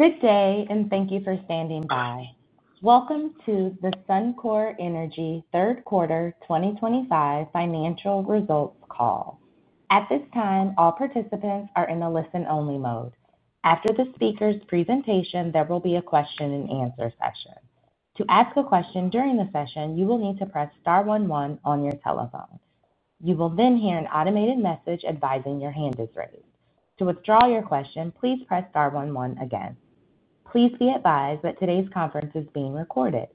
Good day, and thank you for standing by. Welcome to the Suncor Energy third quarter 2025 financial results call. At this time, all participants are in the listen-only mode. After the speaker's presentation, there will be a question-and-answer session. To ask a question during the session, you will need to press star one one on your telephone. You will then hear an automated message advising your hand is raised. To withdraw your question, please press star one one again. Please be advised that today's conference is being recorded.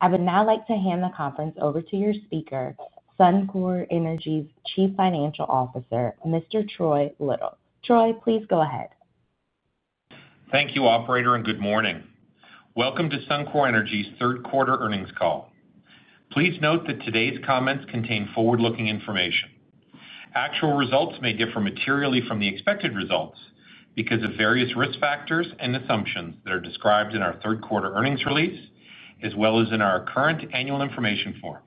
I would now like to hand the conference over to your speaker, Suncor Energy's Chief Financial Officer, Mr. Troy Little. Troy, please go ahead. Thank you, Operator, and good morning. Welcome to Suncor Energy's third quarter earnings call. Please note that today's comments contain forward-looking information. Actual results may differ materially from the expected results because of various risk factors and assumptions that are described in our third quarter earnings release, as well as in our current annual information form,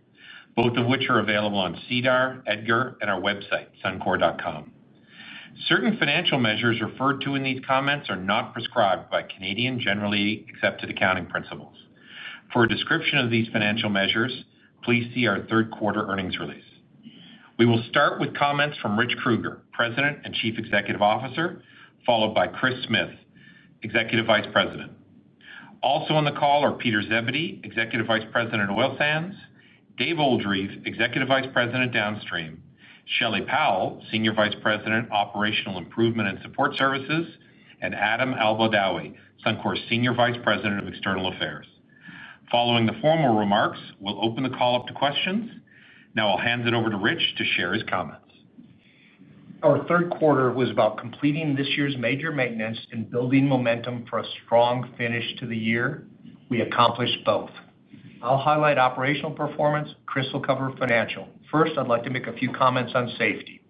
both of which are available on SEDAR, EDGAR, and our website, suncor.com. Certain financial measures referred to in these comments are not prescribed by Canadian generally accepted accounting principles. For a description of these financial measures, please see our third quarter earnings release. We will start with comments from Rich Kruger, President and Chief Executive Officer, followed by Kris Smith, Executive Vice President. Also on the call are Peter Zebedee, Executive Vice President Oil Sands, Dave Oldreive, Executive Vice President Downstream, Shelley Powell, Senior Vice President Operational Improvement and Support Services, and Adam Albeldawi, Suncor Senior Vice President of External Affairs. Following the formal remarks, we'll open the call up to questions. Now I'll hand it over to Rich to share his comments. Our third quarter was about completing this year's major maintenance and building momentum for a strong finish to the year. We accomplished both. I'll highlight operational performance. Kris will cover financial. First, I'd like to make a few comments on safety.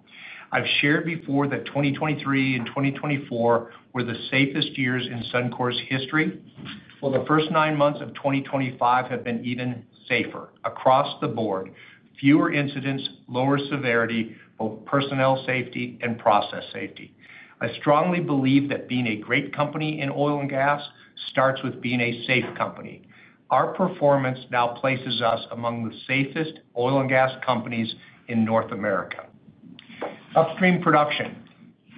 I've shared before that 2023 and 2024 were the safest years in Suncor's history. The first nine months of 2025 have been even safer across the board: fewer incidents, lower severity, both personnel safety and process safety. I strongly believe that being a great company in oil and gas starts with being a safe company. Our performance now places us among the safest oil and gas companies in North America. Upstream production,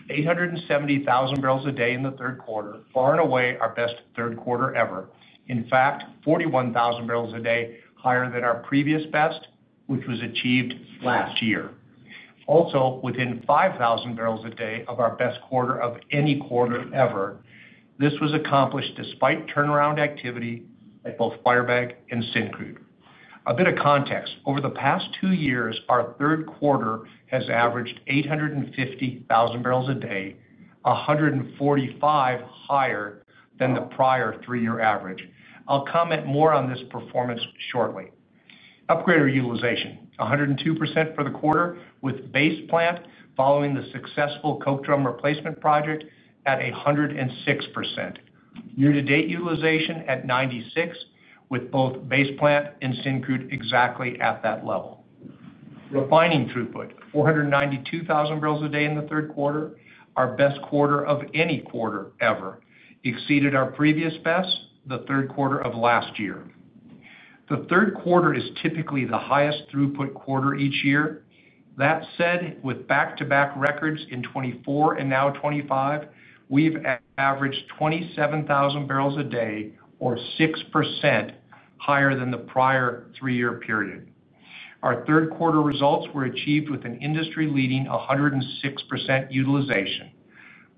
870,000 bbl a day in the third quarter, far and away our best third quarter ever. In fact, 41,000 bbl a day higher than our previous best, which was achieved last year. Also, within 5,000 bbl a day of our best quarter of any quarter ever, this was accomplished despite turnaround activity at both Firebag and Syncrude. A bit of context: over the past two years, our third quarter has averaged 850,000 bbl a day, 145,000 bbl higher than the prior three-year average. I'll comment more on this performance shortly. Upgrader utilization, 102% for the quarter with Base Plant following the successful Coke Drum replacement project at 106%. Year-to-date utilization at 96%, with both Base Plant and Syncrude exactly at that level. Refining throughput, 492,000 bbl a day in the third quarter, our best quarter of any quarter ever, exceeded our previous best, the third quarter of last year. The third quarter is typically the highest throughput quarter each year. That said, with back-to-back records in 2024 and now 2025, we've averaged 27,000 bbl a day, or 6% higher than the prior three-year period. Our third quarter results were achieved with an industry-leading 106% utilization.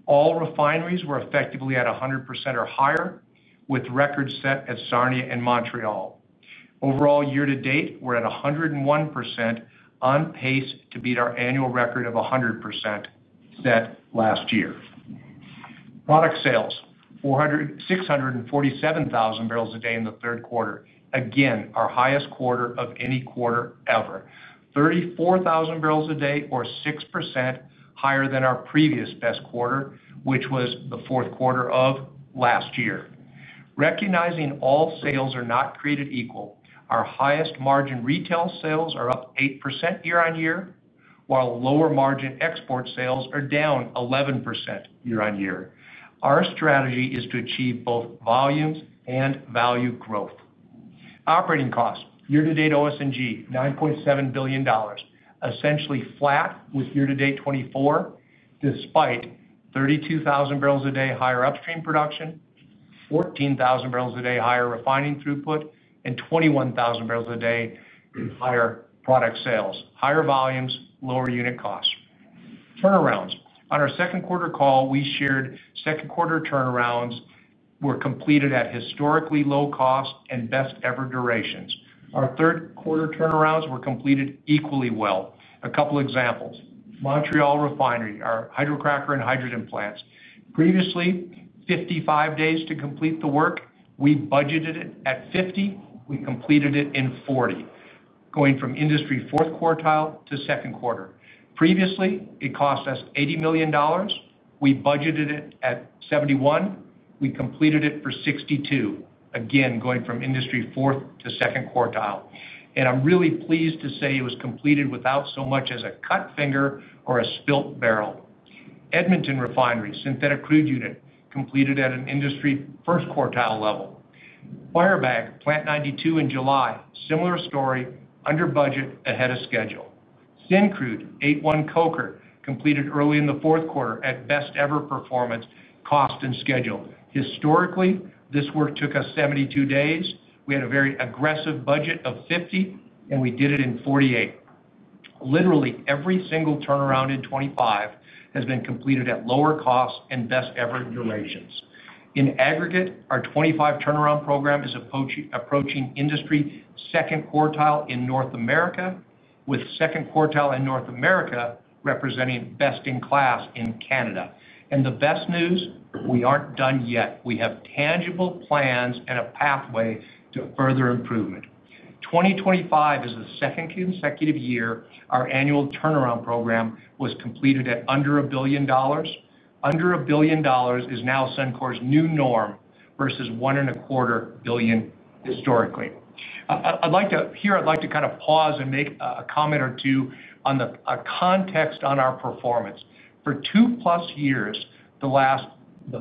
All refineries were effectively at 100% or higher, with records set at Sarnia and Montreal. Overall, year to date, we're at 101% on pace to beat our annual record of 100% set last year. Product sales, 647,000 bbl a day in the third quarter, again our highest quarter of any quarter ever, 34,000 bbl a day, or 6% higher than our previous best quarter, which was the fourth quarter of last year. Recognizing all sales are not created equal, our highest margin retail sales are up 8% year-on-year, while lower margin export sales are down 11% year-on-year. Our strategy is to achieve both volumes and value growth. Operating costs, year-to-date OS&G, 9.7 billion dollars, essentially flat with year-to-date 2024. Despite 32,000 bbl a day higher upstream production, 14,000 bbl a day higher refining throughput, and 21,000 bbl a day higher product sales, higher volumes, lower unit costs. Turnarounds, on our second quarter call, we shared second quarter turnarounds were completed at historically low cost and best-ever durations. Our third quarter turnarounds were completed equally well. A couple of examples: Montreal Refinery, our hydrocracker and hydrogen plants. Previously, 55 days to complete the work. We budgeted it at 50. We completed it in 40, going from industry fourth quartile to second quartile. Previously, it cost us 80 million dollars. We budgeted it at 71. We completed it for 62, again going from industry fourth to second quartile. I am really pleased to say it was completed without so much as a cut finger or a spilt barrel. Edmonton Refinery, synthetic crude unit, completed at an industry first quartile level. Firebag, plant 92 in July, similar story, under budget, ahead of schedule. Syncrude, 81 Coker, completed early in the fourth quarter at best-ever performance, cost, and schedule. Historically, this work took us 72 days. We had a very aggressive budget of 50, and we did it in 48. Literally, every single turnaround in 2025 has been completed at lower costs and best-ever durations. In aggregate, our 2025 turnaround program is approaching industry second quartile in North America, with second quartile in North America representing best in class in Canada. The best news, we aren't done yet. We have tangible plans and a pathway to further improvement. 2025 is the second consecutive year our annual turnaround program was completed at under 1 billion dollars. Under 1 billion dollars is now Suncor's new norm versus 1.25 billion historically. I'd like to, I'd like to kind of pause and make a comment or two on the context on our performance. For two-plus years, the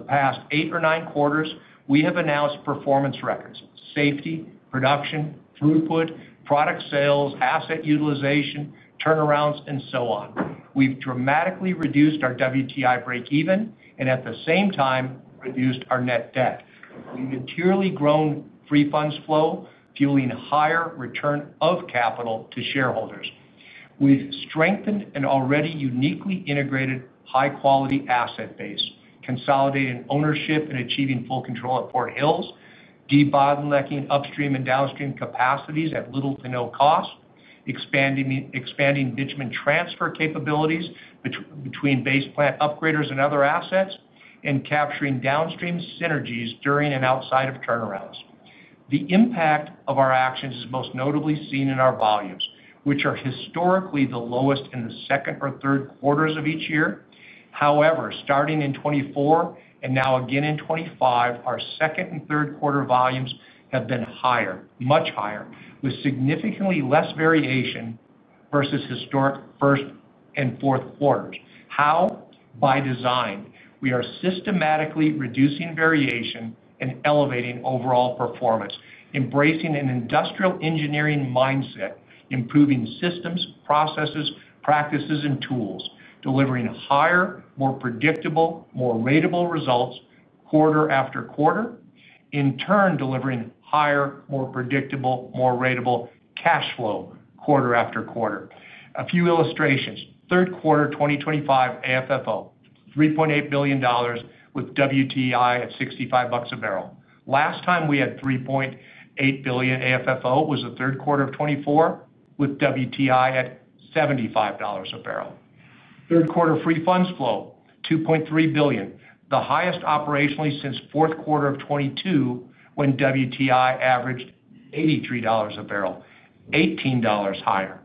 past eight or nine quarters, we have announced performance records: safety, production, throughput, product sales, asset utilization, turnarounds, and so on. We've dramatically reduced our WTI breakeven and at the same time reduced our net debt. We've materially grown free funds flow, fueling higher return of capital to shareholders. We've strengthened an already uniquely integrated high-quality asset base, consolidating ownership and achieving full control at Fort Hills, debottlenecking upstream and downstream capacities at little to no cost, expanding bitumen transfer capabilities between Base Plant upgraders and other assets, and capturing downstream synergies during and outside of turnarounds. The impact of our actions is most notably seen in our volumes, which are historically the lowest in the second or third quarters of each year. However, starting in 2024 and now again in 2025, our second and third quarter volumes have been higher, much higher, with significantly less variation versus historic first and fourth quarters. How? By design. We are systematically reducing variation and elevating overall performance, embracing an industrial engineering mindset, improving systems, processes, practices, and tools, delivering higher, more predictable, more ratable results quarter after quarter, in turn delivering higher, more predictable, more ratable cash flow quarter after quarter. A few illustrations: third quarter 2025 AFFO, 3.8 billion dollars with WTI at 65 bucks a barrel. Last time we had 3.8 billion AFFO was the third quarter of 2024, with WTI at 75 dollars a barrel. Third quarter free funds flow, 2.3 billion, the highest operationally since fourth quarter of 2022 when WTI averaged 83 dollars a barrel, 18 dollars higher.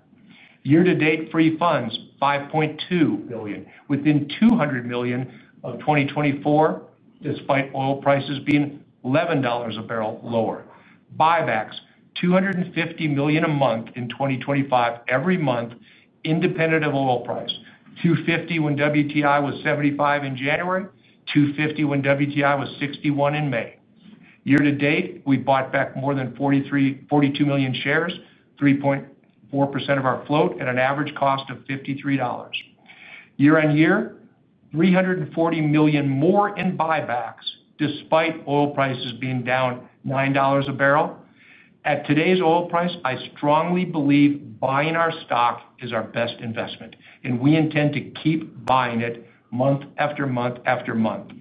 Year-to-date free funds, 5.2 billion, within 200 million of 2024, despite oil prices being 11 dollars a barrel lower. Buybacks, 250 million a month in 2025, every month. Independent of oil price, 250 million when WTI was 75 in January, 250 million when WTI was 61 in May. Year to date, we bought back more than 42 million shares, 3.4% of our float, at an average cost of 53 dollars. Year-on-year, 340 million more in buybacks, despite oil prices being down 9 dollars a barrel. At today's oil price, I strongly believe buying our stock is our best investment, and we intend to keep buying it month after month after month.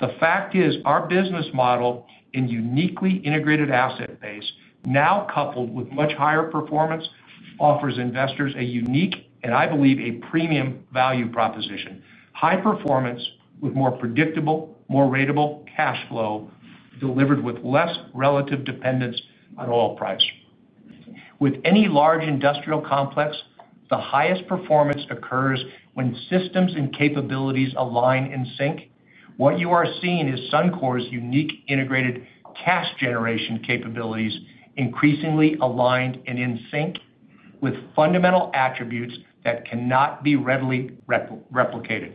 The fact is our business model and uniquely integrated asset base, now coupled with much higher performance, offers investors a unique, and I believe, a premium value proposition: high performance with more predictable, more ratable cash flow delivered with less relative dependence on oil price. With any large industrial complex, the highest performance occurs when systems and capabilities align in sync. What you are seeing is Suncor's unique integrated cash generation capabilities increasingly aligned and in sync with fundamental attributes that cannot be readily replicated.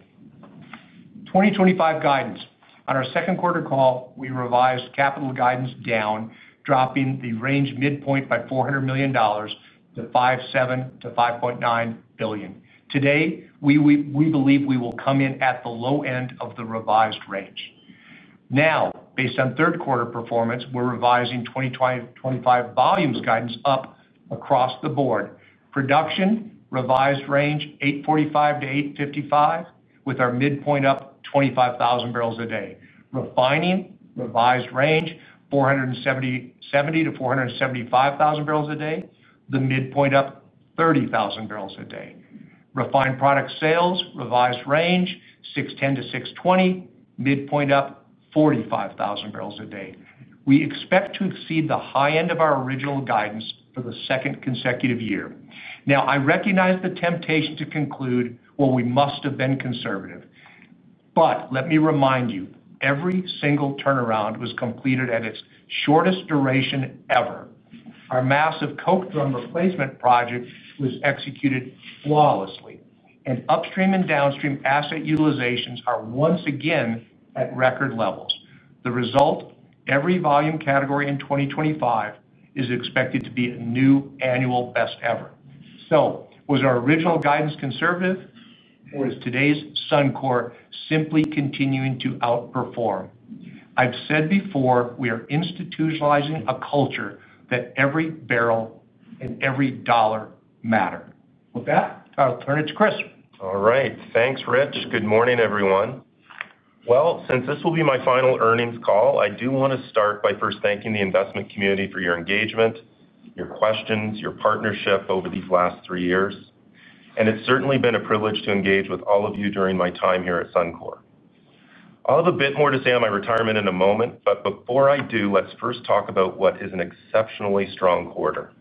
2025 guidance, on our second quarter call, we revised capital guidance down, dropping the range midpoint by 400 million dollars to 5.7 billion-5.9 billion. Today, we believe we will come in at the low end of the revised range. Now, based on third quarter performance, we're revising 2025 volumes guidance up across the board. Production, revised range 845,000-855,000 bbl with our midpoint up 25,000 bbl a day. Refining, revised range 470,000-475,000 bbl a day, the midpoint up 30,000 bbl a day. Refined product sales, revised range 610,000-620,000 bbl midpoint up 45,000 bbl a day. We expect to exceed the high end of our original guidance for the second consecutive year. Now, I recognize the temptation to conclude we must have been conservative. Let me remind you, every single turnaround was completed at its shortest duration ever. Our massive Coke drum replacement project was executed flawlessly, and upstream and downstream asset utilizations are once again at record levels. The result, every volume category in 2025, is expected to be a new annual best ever. Was our original guidance conservative? Or is today's Suncor simply continuing to outperform? I've said before, we are institutionalizing a culture that every barrel and every dollar matter. With that, I'll turn it to Kris. All right. Thanks, Rich. Good morning, everyone. Since this will be my final earnings call, I do want to start by first thanking the investment community for your engagement, your questions, your partnership over these last three years. It's certainly been a privilege to engage with all of you during my time here at Suncor. I'll have a bit more to say on my retirement in a moment, but before I do, let's first talk about what is an exceptionally strong quarter.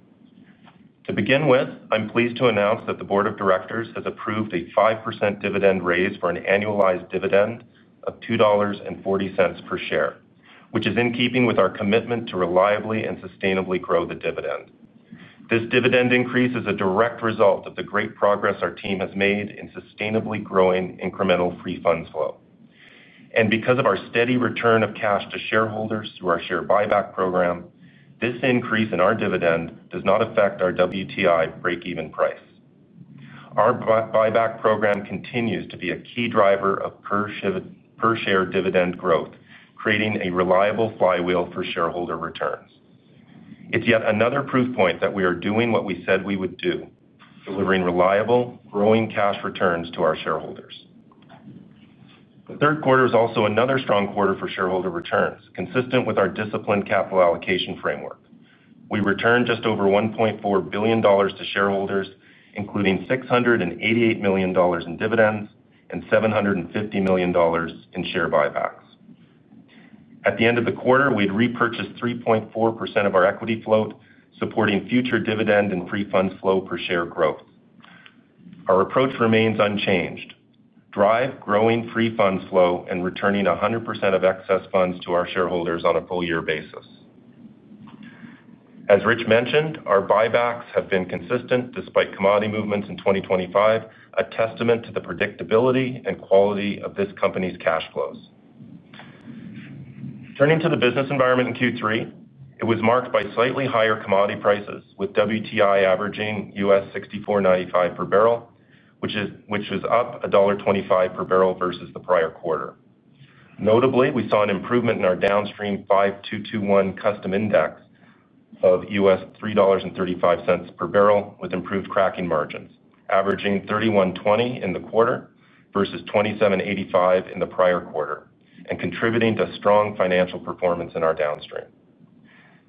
To begin with, I'm pleased to announce that the board of directors has approved a 5% dividend raise for an annualized dividend of 2.40 dollars per share, which is in keeping with our commitment to reliably and sustainably grow the dividend. This dividend increase is a direct result of the great progress our team has made in sustainably growing incremental free funds flow. Because of our steady return of cash to shareholders through our share buyback program, this increase in our dividend does not affect our WTI breakeven price. Our buyback program continues to be a key driver of per-share dividend growth, creating a reliable flywheel for shareholder returns. It is yet another proof point that we are doing what we said we would do, delivering reliable, growing cash returns to our shareholders. The third quarter is also another strong quarter for shareholder returns, consistent with our disciplined capital allocation framework. We returned just over 1.4 billion dollars to shareholders, including 688 million dollars in dividends and 750 million dollars in share buybacks. At the end of the quarter, we had repurchased 3.4% of our equity float, supporting future dividend and free funds flow per share growth. Our approach remains unchanged: drive growing free funds flow and returning 100% of excess funds to our shareholders on a full-year basis. As Rich mentioned, our buybacks have been consistent despite commodity movements in 2025, a testament to the predictability and quality of this company's cash flows. Turning to the business environment in Q3, it was marked by slightly higher commodity prices, with WTI averaging $64.95 per barrel, which is up dollar 1.25 per barrel versus the prior quarter. Notably, we saw an improvement in our downstream 5221 custom index of $3.35 per barrel, with improved cracking margins, averaging 31.20 in the quarter versus 27.85 in the prior quarter, and contributing to strong financial performance in our downstream.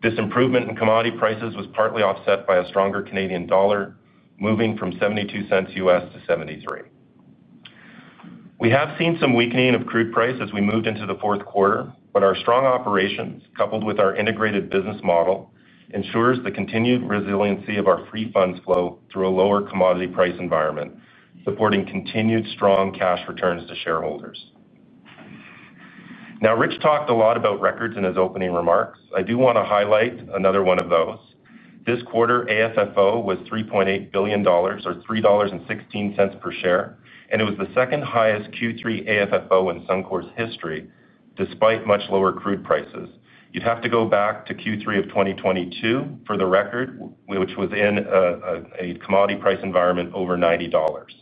This improvement in commodity prices was partly offset by a stronger Canadian dollar, moving from $0.72-$0.73. We have seen some weakening of crude price as we moved into the fourth quarter, but our strong operations, coupled with our integrated business model, ensure the continued resiliency of our free funds flow through a lower commodity price environment, supporting continued strong cash returns to shareholders. Now, Rich talked a lot about records in his opening remarks. I do want to highlight another one of those. This quarter, AFFO was 3.8 billion dollars, or 3.16 dollars per share, and it was the second highest Q3 AFFO in Suncor's history, despite much lower crude prices. You'd have to go back to Q3 of 2022 for the record, which was in a commodity price environment over 90 dollars.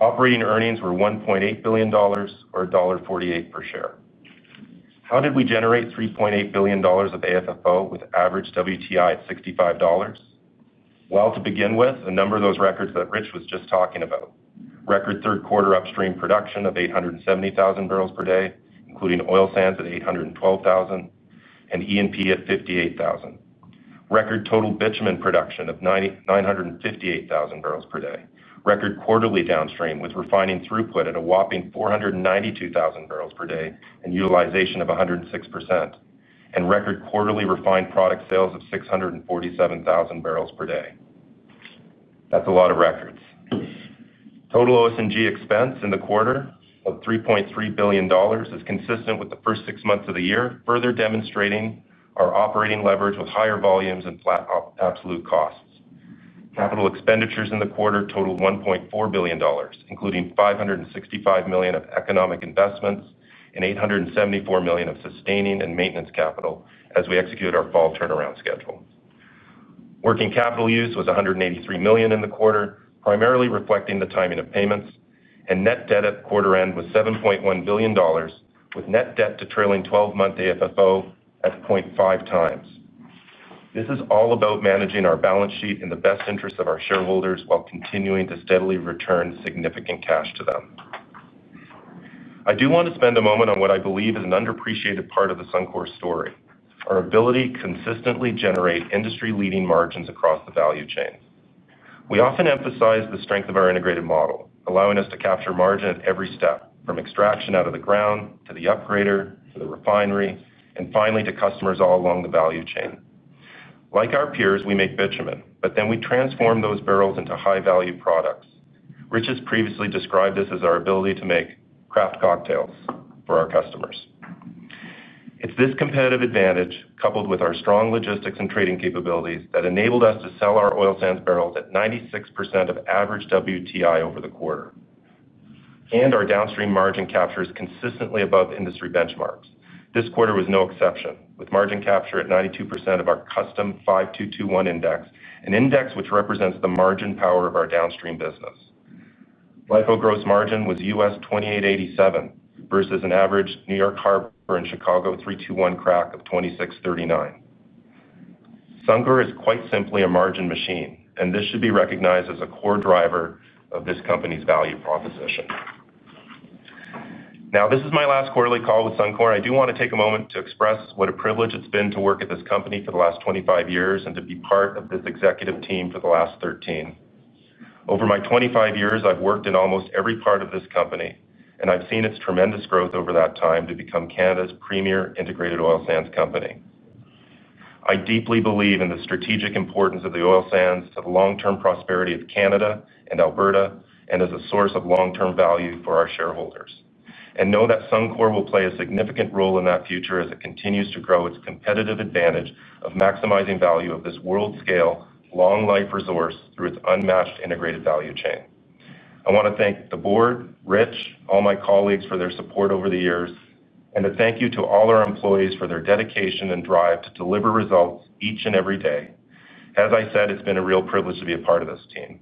Operating earnings were 1.8 billion dollars, or dollar 1.48 per share. How did we generate 3.8 billion dollars of AFFO with average WTI at 65 dollars? To begin with, a number of those records that Rich was just talking about: record third quarter upstream production of 870,000 bbl per day, including oil sands at 812,000 bbl and E&P at 58,000 bbl; record total bitumen production of 958,000 bbl per day; record quarterly downstream with refining throughput at a whopping 492,000 bbl per day and utilization of 106%; and record quarterly refined product sales of 647,000 bbl per day. That is a lot of records. Total OS&G expense in the quarter of 3.3 billion dollars is consistent with the first six months of the year, further demonstrating our operating leverage with higher volumes and flat absolute costs. Capital expenditures in the quarter totaled 1.4 billion dollars, including 565 million of economic investments and 874 million of sustaining and maintenance capital as we execute our fall turnaround schedule. Working capital use was 183 million in the quarter, primarily reflecting the timing of payments, and net debt at quarter end was 7.1 billion dollars, with net debt to trailing 12-month AFFO at 0.5x. This is all about managing our balance sheet in the best interest of our shareholders while continuing to steadily return significant cash to them. I do want to spend a moment on what I believe is an underappreciated part of the Suncor story, our ability to consistently generate industry-leading margins across the value chain. We often emphasize the strength of our integrated model, allowing us to capture margin at every step, from extraction out of the ground to the upgrader to the refinery, and finally to customers all along the value chain. Like our peers, we make bitumen, but then we transform those bbl into high-value products. Rich has previously described this as our ability to make craft cocktails for our customers. It is this competitive advantage, coupled with our strong logistics and trading capabilities, that enabled us to sell our oil sands barrels at 96% of average WTI over the quarter. Our downstream margin capture is consistently above industry benchmarks. This quarter was no exception, with margin capture at 92% of our custom 5221 index, an index which represents the margin power of our downstream business. LIFO gross margin was 28.87 versus an average New York Harbor and Chicago 321 crack of 26.39. Suncor is quite simply a margin machine, and this should be recognized as a core driver of this company's value proposition. Now, this is my last quarterly call with Suncor, and I do want to take a moment to express what a privilege it's been to work at this company for the last 25 years and to be part of this executive team for the last 13. Over my 25 years, I've worked in almost every part of this company, and I've seen its tremendous growth over that time to become Canada's premier integrated oil sands company. I deeply believe in the strategic importance of the oil sands to the long-term prosperity of Canada and Alberta and as a source of long-term value for our shareholders. I know that Suncor will play a significant role in that future as it continues to grow its competitive advantage of maximizing value of this world-scale long-life resource through its unmatched integrated value chain. I want to thank the board, Rich, all my colleagues for their support over the years, and to thank you to all our employees for their dedication and drive to deliver results each and every day. As I said, it's been a real privilege to be a part of this team.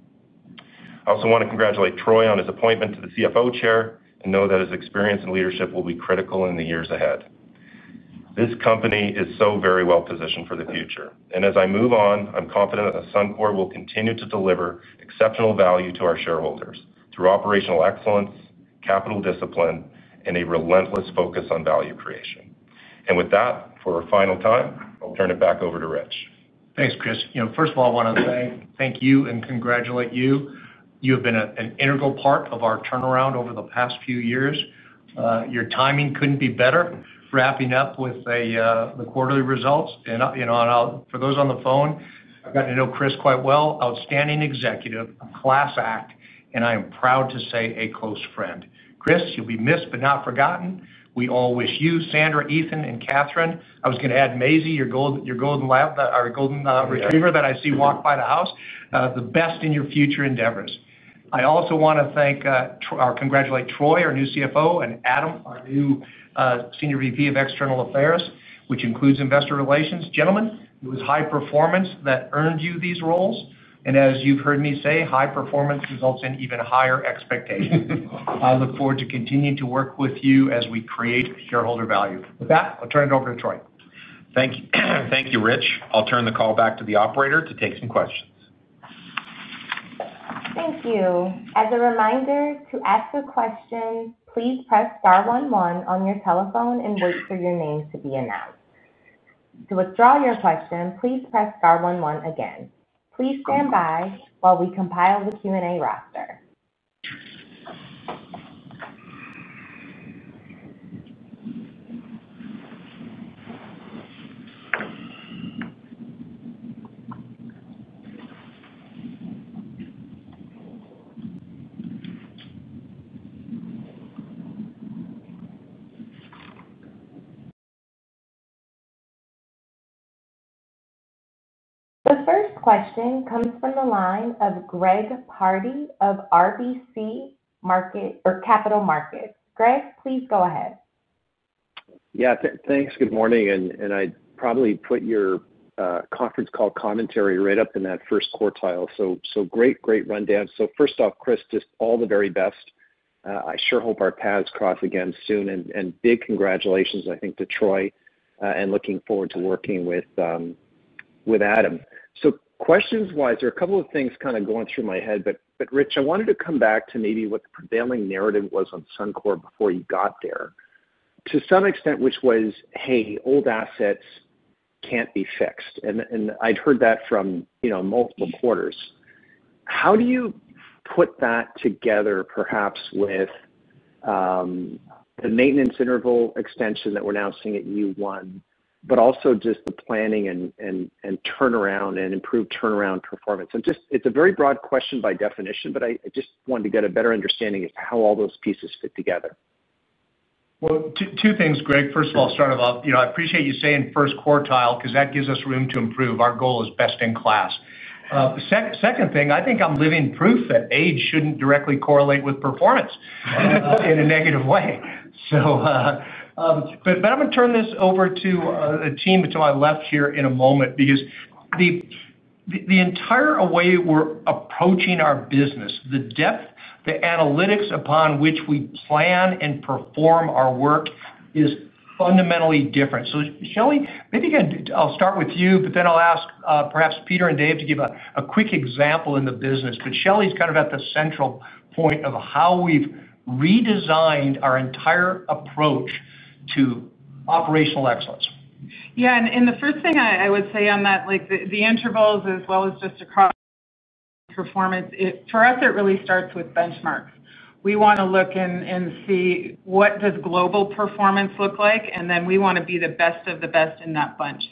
I also want to congratulate Troy on his appointment to the CFO chair and know that his experience and leadership will be critical in the years ahead. This company is so very well positioned for the future. As I move on, I'm confident that Suncor will continue to deliver exceptional value to our shareholders through operational excellence, capital discipline, and a relentless focus on value creation. With that, for a final time, I'll turn it back over to Rich. Thanks, Kris. First of all, I want to say thank you and congratulate you. You have been an integral part of our turnaround over the past few years. Your timing could not be better. Wrapping up with the quarterly results. For those on the phone, I know Kris quite well, outstanding executive, class act, and I am proud to say a close friend. Kris, you will be missed but not forgotten. We all wish you, Sandra, Ethan, and Catherine—I was going to add Maisie, your golden retriever that I see walk by the house—the best in your future endeavors. I also want to thank or congratulate Troy, our new CFO, and Adam, our new Senior Vice President of External Affairs, which includes investor relations. Gentlemen, it was high performance that earned you these roles. As you have heard me say, high performance results in even higher expectations. I look forward to continuing to work with you as we create shareholder value. With that, I'll turn it over to Troy. Thank you, Rich. I'll turn the call back to the operator to take some questions. Thank you. As a reminder, to ask a question, please press star one one on your telephone and wait for your name to be announced. To withdraw your question, please press star one one again. Please stand by while we compile the Q&A roster. The first question comes from the line of Greg Pardy of RBC Capital Markets. Greg, please go ahead. Yeah, thanks. Good morning. I probably put your conference call commentary right up in that first quartile. Great, great rundown. First off, Kris, just all the very best. I sure hope our paths cross again soon. Big congratulations, I think, to Troy, and looking forward to working with Adam. Questions-wise, there are a couple of things kind of going through my head. Rich, I wanted to come back to maybe what the prevailing narrative was on Suncor before you got there, to some extent, which was, "Hey, old assets cannot be fixed." I had heard that from multiple quarters. How do you put that together, perhaps, with the maintenance interval extension that we are now seeing at year one, but also just the planning and turnaround and improved turnaround performance? It is a very broad question by definition, but I just wanted to get a better understanding as to how all those pieces fit together. Two things, Greg. First of all, I appreciate you saying first quartile because that gives us room to improve. Our goal is best in class. Second thing, I think I am living proof that age should not directly correlate with performance in a negative way. I'm going to turn this over to the team to my left here in a moment because the entire way we're approaching our business, the depth, the analytics upon which we plan and perform our work is fundamentally different. Shelley, maybe I'll start with you, but then I'll ask perhaps Peter and Dave to give a quick example in the business. Shelley's kind of at the central point of how we've redesigned our entire approach to operational excellence. Yeah. The first thing I would say on that, the intervals as well as just across performance, for us, it really starts with benchmarks. We want to look and see what does global performance look like, and then we want to be the best of the best in that bunch.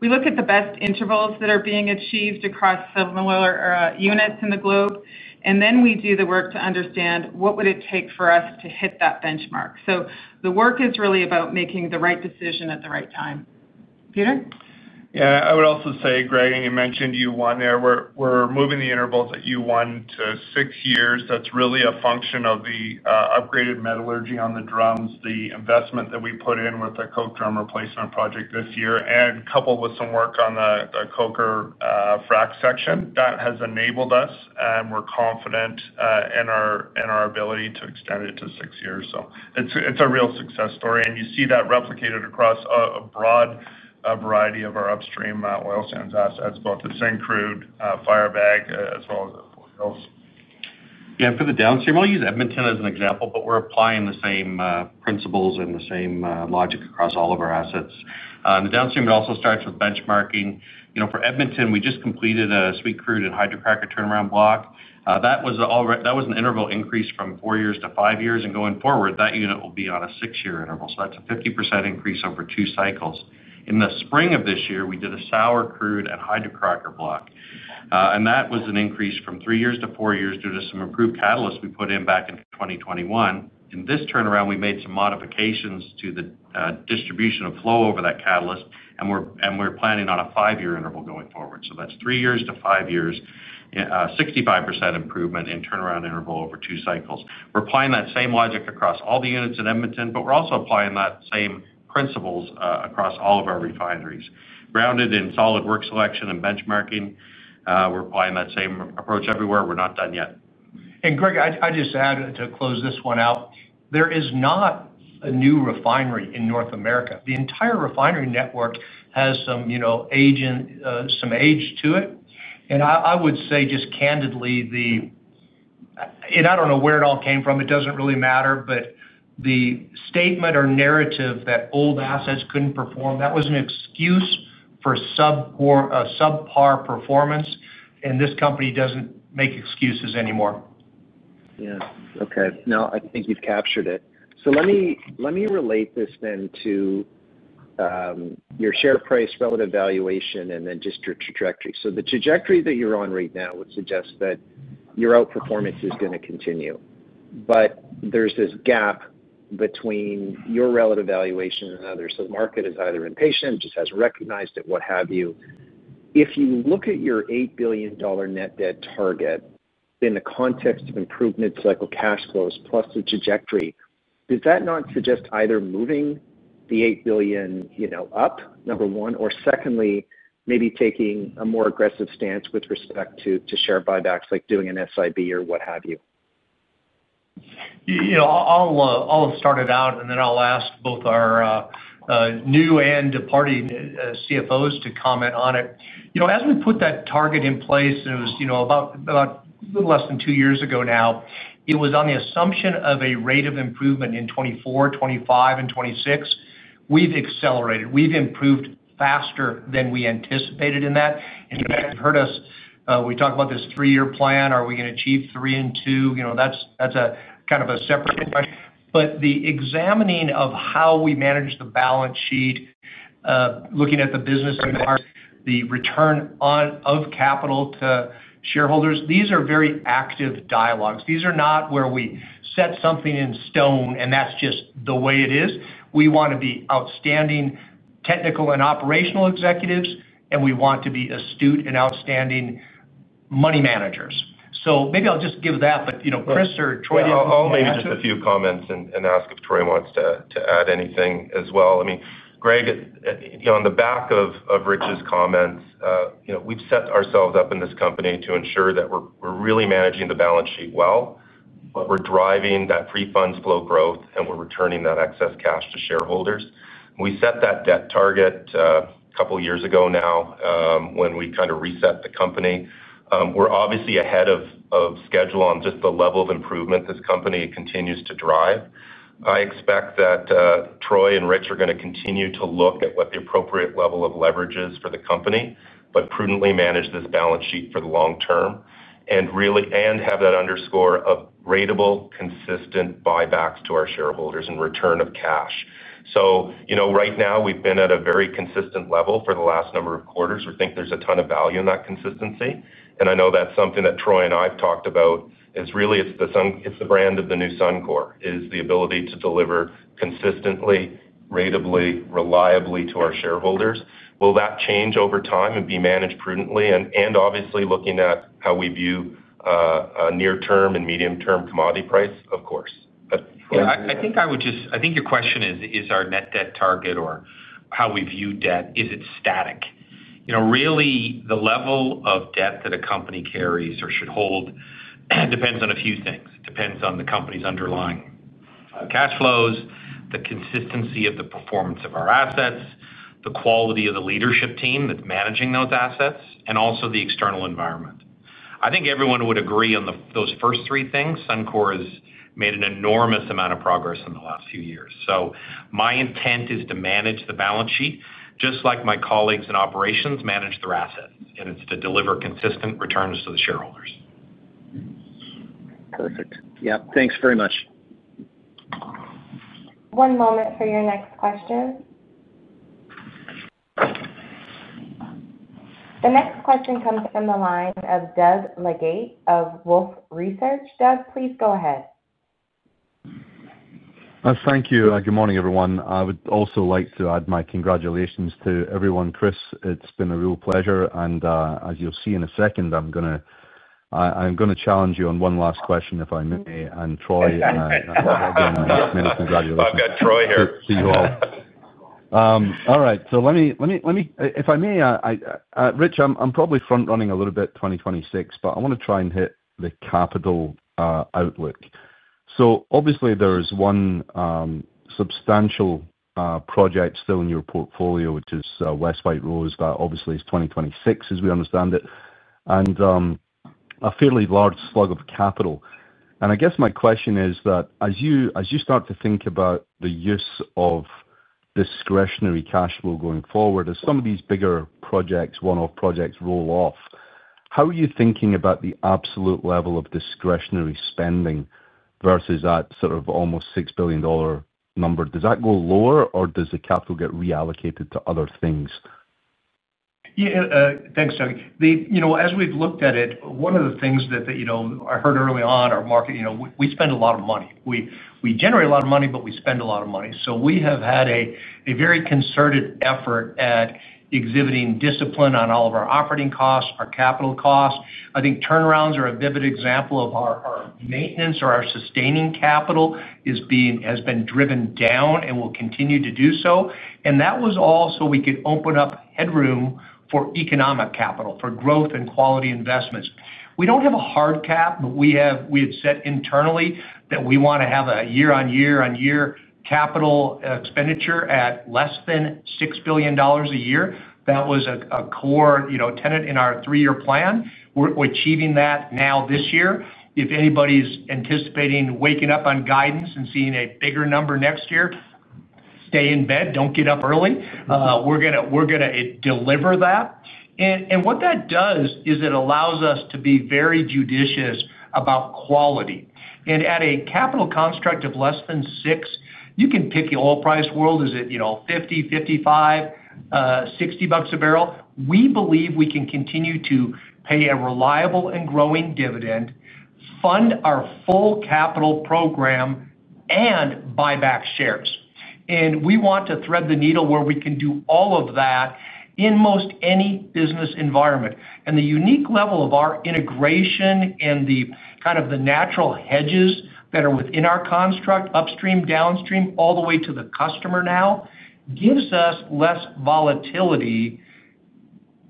We look at the best intervals that are being achieved across similar units in the globe, and then we do the work to understand what would it take for us to hit that benchmark. The work is really about making the right decision at the right time. Peter? Yeah. I would also say, Greg, and you mentioned year one there, we're moving the intervals at year one to six years. That is really a function of the upgraded metallurgy on the drums, the investment that we put in with the Coke drum replacement project this year, and coupled with some work on the Coker frac section. That has enabled us, and we're confident in our ability to extend it to six years. It is a real success story. You see that replicated across a broad variety of our upstream oil sands assets, both the Syncrude, Firebag, as well as oils. Yeah. For the downstream, I'll use Edmonton as an example, but we're applying the same principles and the same logic across all of our assets. The downstream also starts with benchmarking. For Edmonton, we just completed a sweet crude and hydrocracker turnaround block. That was an interval increase from four years to five years. Going forward, that unit will be on a six-year interval. That is a 50% increase over two cycles. In the spring of this year, we did a sour crude and hydrocracker block. That was an increase from three years to four years due to some improved catalysts we put in back in 2021. In this turnaround, we made some modifications to the distribution of flow over that catalyst, and we're planning on a five-year interval going forward. So that's three years to five years, 65% improvement in turnaround interval over two cycles. We're applying that same logic across all the units in Edmonton, but we're also applying that same principles across all of our refineries. Grounded in solid work selection and benchmarking, we're applying that same approach everywhere. We're not done yet. Greg, I just add to close this one out. There is not a new refinery in North America. The entire refinery network has some age to it. I would say just candidly, and I don't know where it all came from, it doesn't really matter, but the statement or narrative that old assets couldn't perform, that was an excuse for subpar performance. This company doesn't make excuses anymore. Yeah. Okay. No, I think you've captured it. Let me relate this then to your share price, relative valuation, and then just your trajectory. The trajectory that you're on right now would suggest that your outperformance is going to continue. There is this gap between your relative valuation and others. The market is either impatient, just has not recognized it, what have you. If you look at your 8 billion dollar net debt target in the context of improvement cycle cash flows plus the trajectory, does that not suggest either moving the 8 billion up, number one, or secondly, maybe taking a more aggressive stance with respect to share buybacks, like doing an SIB or what have you? I'll start it out, and then I'll ask both our new and departing CFOs to comment on it. As we put that target in place, and it was about a little less than two years ago now, it was on the assumption of a rate of improvement in 2024, 2025, and 2026. We have accelerated. We have improved faster than we anticipated in that. You have heard us, we talk about this three-year plan. Are we going to achieve three and two? That is a kind of a separate question. The examining of how we manage the balance sheet, looking at the business and the return of capital to shareholders, these are very active dialogues. These are not where we set something in stone and that is just the way it is. We want to be outstanding technical and operational executives, and we want to be astute and outstanding money managers. Maybe I will just give that. Kris or Troy did not want to. I'll maybe just a few comments and ask if Troy wants to add anything as well. I mean, Greg. On the back of Rich's comments, we've set ourselves up in this company to ensure that we're really managing the balance sheet well, but we're driving that free funds flow growth, and we're returning that excess cash to shareholders. We set that debt target a couple of years ago now when we kind of reset the company. We're obviously ahead of schedule on just the level of improvement this company continues to drive. I expect that Troy and Rich are going to continue to look at what the appropriate level of leverage is for the company, but prudently manage this balance sheet for the long term and have that underscore of ratable, consistent buybacks to our shareholders and return of cash. Right now, we've been at a very consistent level for the last number of quarters. We think there's a ton of value in that consistency. I know that's something that Troy and I've talked about. It's the brand of the new Suncor, the ability to deliver consistently, ratably, reliably to our shareholders. Will that change over time and be managed prudently? Obviously, looking at how we view near-term and medium-term commodity price, of course. Yeah. I think I would just—I think your question is, is our net debt target or how we view debt, is it static? Really, the level of debt that a company carries or should hold depends on a few things. It depends on the company's underlying cash flows, the consistency of the performance of our assets, the quality of the leadership team that's managing those assets, and also the external environment. I think everyone would agree on those first three things. Suncor has made an enormous amount of progress in the last few years. My intent is to manage the balance sheet just like my colleagues in operations manage their assets. It is to deliver consistent returns to the shareholders. Yep. Thanks very much. One moment for your next question. The next question comes from the line of Doug Leggate of Wolfe Research. Doug, please go ahead. Thank you. Good morning, everyone. I would also like to add my congratulations to everyone. Kris, it has been a real pleasure. As you will see in a second, I am going to challenge you on one last question, if I may, and Troy. Many congratulations. I have got Troy here. All right. Let me, if I may. Rich, I'm probably front-running a little bit 2026, but I want to try and hit the capital outlook. Obviously, there is one substantial project still in your portfolio, which is West White Rose, but obviously, it's 2026 as we understand it, and a fairly large slug of capital. I guess my question is that as you start to think about the use of discretionary cash flow going forward, as some of these bigger projects, one-off projects roll off, how are you thinking about the absolute level of discretionary spending versus that sort of almost 6 billion dollar number? Does that go lower, or does the capital get reallocated to other things? Yeah. Thanks, Doug. As we've looked at it, one of the things that I heard early on, our market, we spend a lot of money. We generate a lot of money, but we spend a lot of money. We have had a very concerted effort at exhibiting discipline on all of our operating costs, our capital costs. I think turnarounds are a vivid example of our maintenance or our sustaining capital has been driven down and will continue to do so. That was all so we could open up headroom for economic capital, for growth and quality investments. We do not have a hard cap, but we had set internally that we want to have a year-on-year-on-year capital expenditure at less than 6 billion dollars a year. That was a core tenet in our three-year plan. We are achieving that now this year. If anybody is anticipating waking up on guidance and seeing a bigger number next year, stay in bed, do not get up early. We are going to deliver that. What that does is it allows us to be very judicious about quality. At a capital construct of less than six, you can pick your oil price world, is it 50, 55, 60 bucks a barrel? We believe we can continue to pay a reliable and growing dividend, fund our full capital program, and buy back shares. We want to thread the needle where we can do all of that in most any business environment. The unique level of our integration and the kind of the natural hedges that are within our construct, upstream, downstream, all the way to the customer now, gives us less volatility,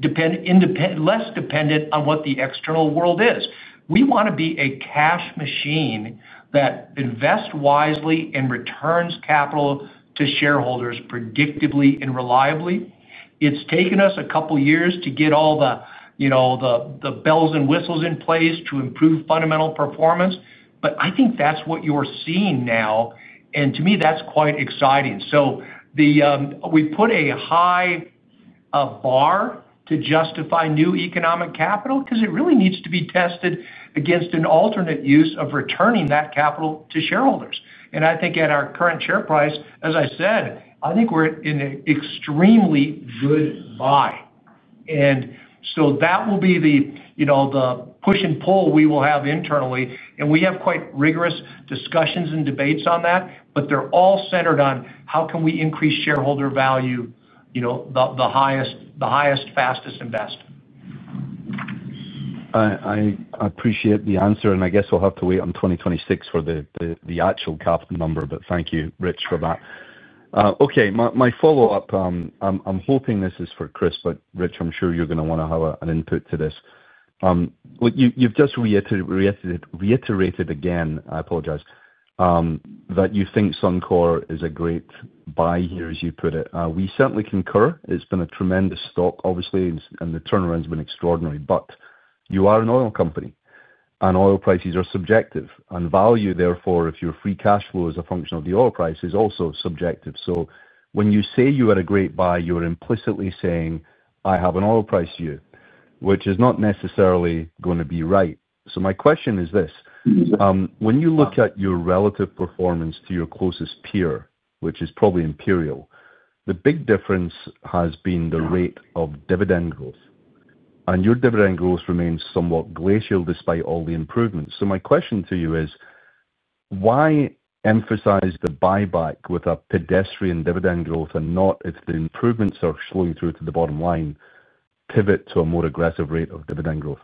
less dependent on what the external world is. We want to be a cash machine that invests wisely and returns capital to shareholders predictably and reliably. It has taken us a couple of years to get all the bells and whistles in place to improve fundamental performance. I think that is what you are seeing now. To me, that's quite exciting. We put a high bar to justify new economic capital because it really needs to be tested against an alternate use of returning that capital to shareholders. I think at our current share price, as I said, I think we're in an extremely good buy. That will be the push and pull we will have internally. We have quite rigorous discussions and debates on that, but they're all centered on how can we increase shareholder value. The highest, fastest investment. I appreciate the answer. I guess we'll have to wait on 2026 for the actual capital number. Thank you, Rich, for that. Okay. My follow-up, I'm hoping this is for Kris, but Rich, I'm sure you're going to want to have an input to this. You've just reiterated again, I apologize. That you think Suncor is a great buy here, as you put it. We certainly concur. It has been a tremendous stock, obviously, and the turnaround has been extraordinary. You are an oil company, and oil prices are subjective. Value, therefore, if your free cash flow is a function of the oil price, is also subjective. When you say you are a great buy, you are implicitly saying, "I have an oil price view," which is not necessarily going to be right. My question is this. When you look at your relative performance to your closest peer, which is probably Imperial, the big difference has been the rate of dividend growth. Your dividend growth remains somewhat glacial despite all the improvements. My question to you is. Why emphasize the buyback with a pedestrian dividend growth and not, if the improvements are slowing through to the bottom line, pivot to a more aggressive rate of dividend growth?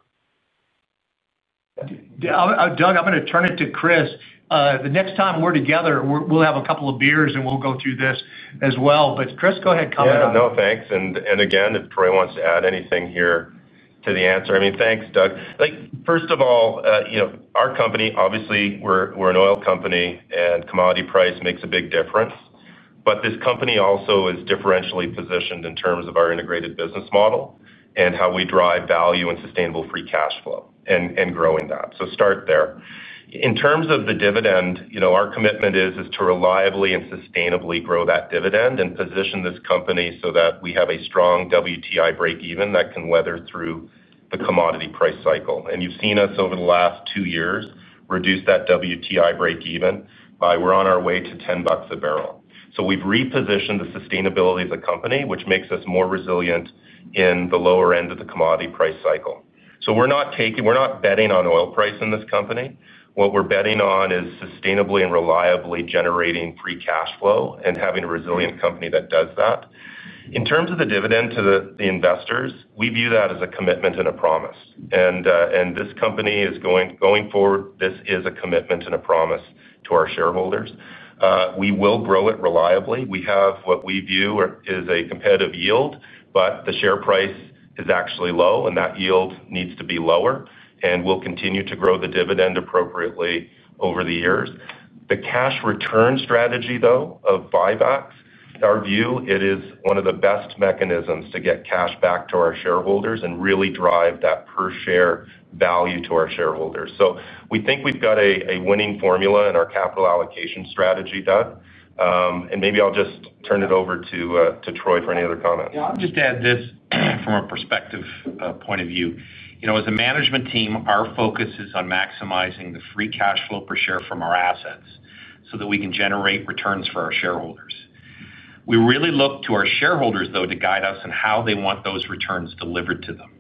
Doug, I'm going to turn it to Kris. The next time we're together, we'll have a couple of beers, and we'll go through this as well. Kris, go ahead. Comment on it. No, thanks. Again, if Troy wants to add anything here to the answer, I mean, thanks, Doug. First of all, our company, obviously, we're an oil company, and commodity price makes a big difference. This company also is differentially positioned in terms of our integrated business model and how we drive value and sustainable free cash flow and growing that. Start there. In terms of the dividend, our commitment is to reliably and sustainably grow that dividend and position this company so that we have a strong WTI breakeven that can weather through the commodity price cycle. You have seen us over the last two years reduce that WTI breakeven by we're on our way to 10 bucks a barrel. We have repositioned the sustainability of the company, which makes us more resilient in the lower end of the commodity price cycle. We are not betting on oil price in this company. What we are betting on is sustainably and reliably generating free cash flow and having a resilient company that does that. In terms of the dividend to the investors, we view that as a commitment and a promise. This company is going forward, this is a commitment and a promise to our shareholders. We will grow it reliably. We have what we view is a competitive yield, but the share price is actually low, and that yield needs to be lower. We will continue to grow the dividend appropriately over the years. The cash return strategy, though, of buybacks, our view, it is one of the best mechanisms to get cash back to our shareholders and really drive that per-share value to our shareholders. We think we have got a winning formula in our capital allocation strategy, Doug. Maybe I will just turn it over to Troy for any other comments. Yeah. I will just add this from a perspective point of view. As a management team, our focus is on maximizing the free cash flow per share from our assets so that we can generate returns for our shareholders. We really look to our shareholders, though, to guide us in how they want those returns delivered to them.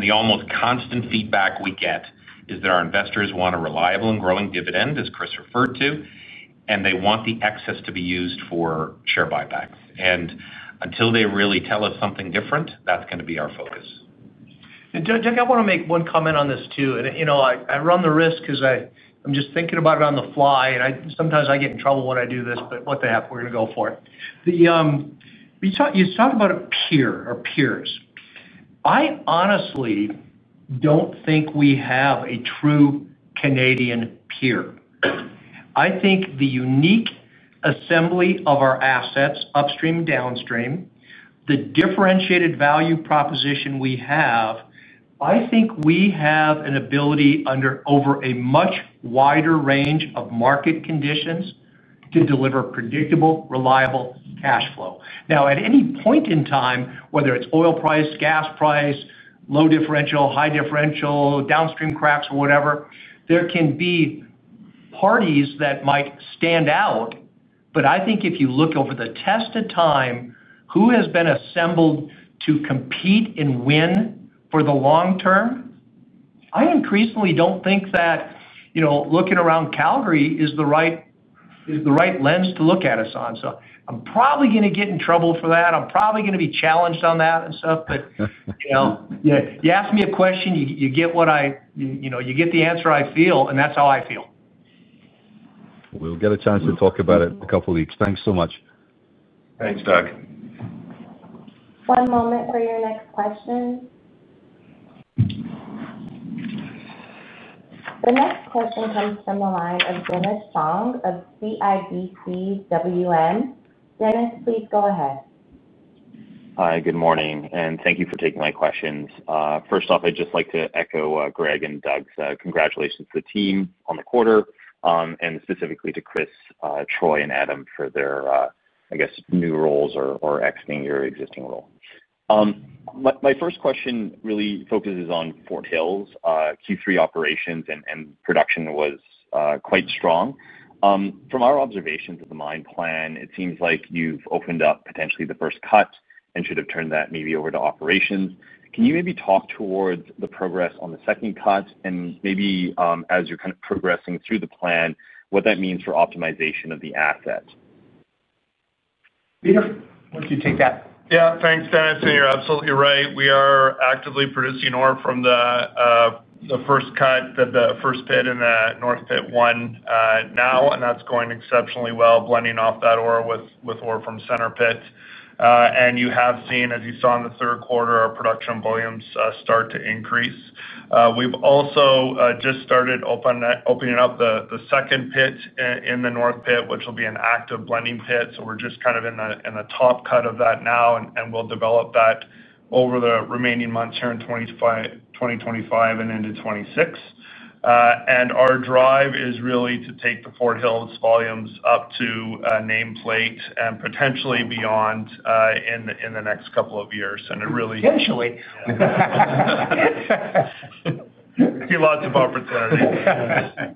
The almost constant feedback we get is that our investors want a reliable and growing dividend, as Kris referred to, and they want the excess to be used for share buybacks. Until they really tell us something different, that's going to be our focus. Doug, I want to make one comment on this too. I run the risk because I'm just thinking about it on the fly. Sometimes I get in trouble when I do this, but what the heck, we're going to go for it. You talked about a peer or peers. I honestly don't think we have a true Canadian peer. I think the unique assembly of our assets, upstream, downstream, the differentiated value proposition we have, I think we have an ability under over a much wider range of market conditions to deliver predictable, reliable cash flow. Now, at any point in time, whether it's oil price, gas price, low differential, high differential, downstream cracks, or whatever, there can be parties that might stand out. I think if you look over the tested time, who has been assembled to compete and win for the long term? I increasingly don't think that looking around Calgary is the right lens to look at us on. I'm probably going to get in trouble for that. I'm probably going to be challenged on that and stuff. You ask me a question, you get the answer I feel, and that's how I feel. We'll get a chance to talk about it in a couple of weeks. Thanks so much. Thanks, Doug. One moment for your next question. The next question comes from the line of Dennis Fong of CIBC [WM]. Dennis, please go ahead. Hi. Good morning. Thank you for taking my questions. First off, I'd just like to echo Greg and Doug's congratulations to the team on the quarter and specifically to Kris, Troy, and Adam for their, I guess, new roles or exiting your existing role. My first question really focuses on Fort Hills, Q3 operations, and production was quite strong. From our observations of the mine plan, it seems like you've opened up potentially the first cut and should have turned that maybe over to operations. Can you maybe talk towards the progress on the second cut and maybe, as you're kind of progressing through the plan, what that means for optimization of the assets? Yeah. Why don't you take that? Yeah. Thanks, Dennis. You're absolutely right. We are actively producing ore from the first cut, the first pit and the north pit one now. That is going exceptionally well, blending off that ore with ore from center pits. You have seen, as you saw in the third quarter, our production volumes start to increase. We have also just started opening up the second pit in the north pit, which will be an active blending pit. We are just kind of in the top cut of that now, and we will develop that over the remaining months here in 2025 and into 2026. Our drive is really to take the Fort Hills volumes up to nameplate and potentially beyond in the next couple of years. Potentially, we see lots of opportunities.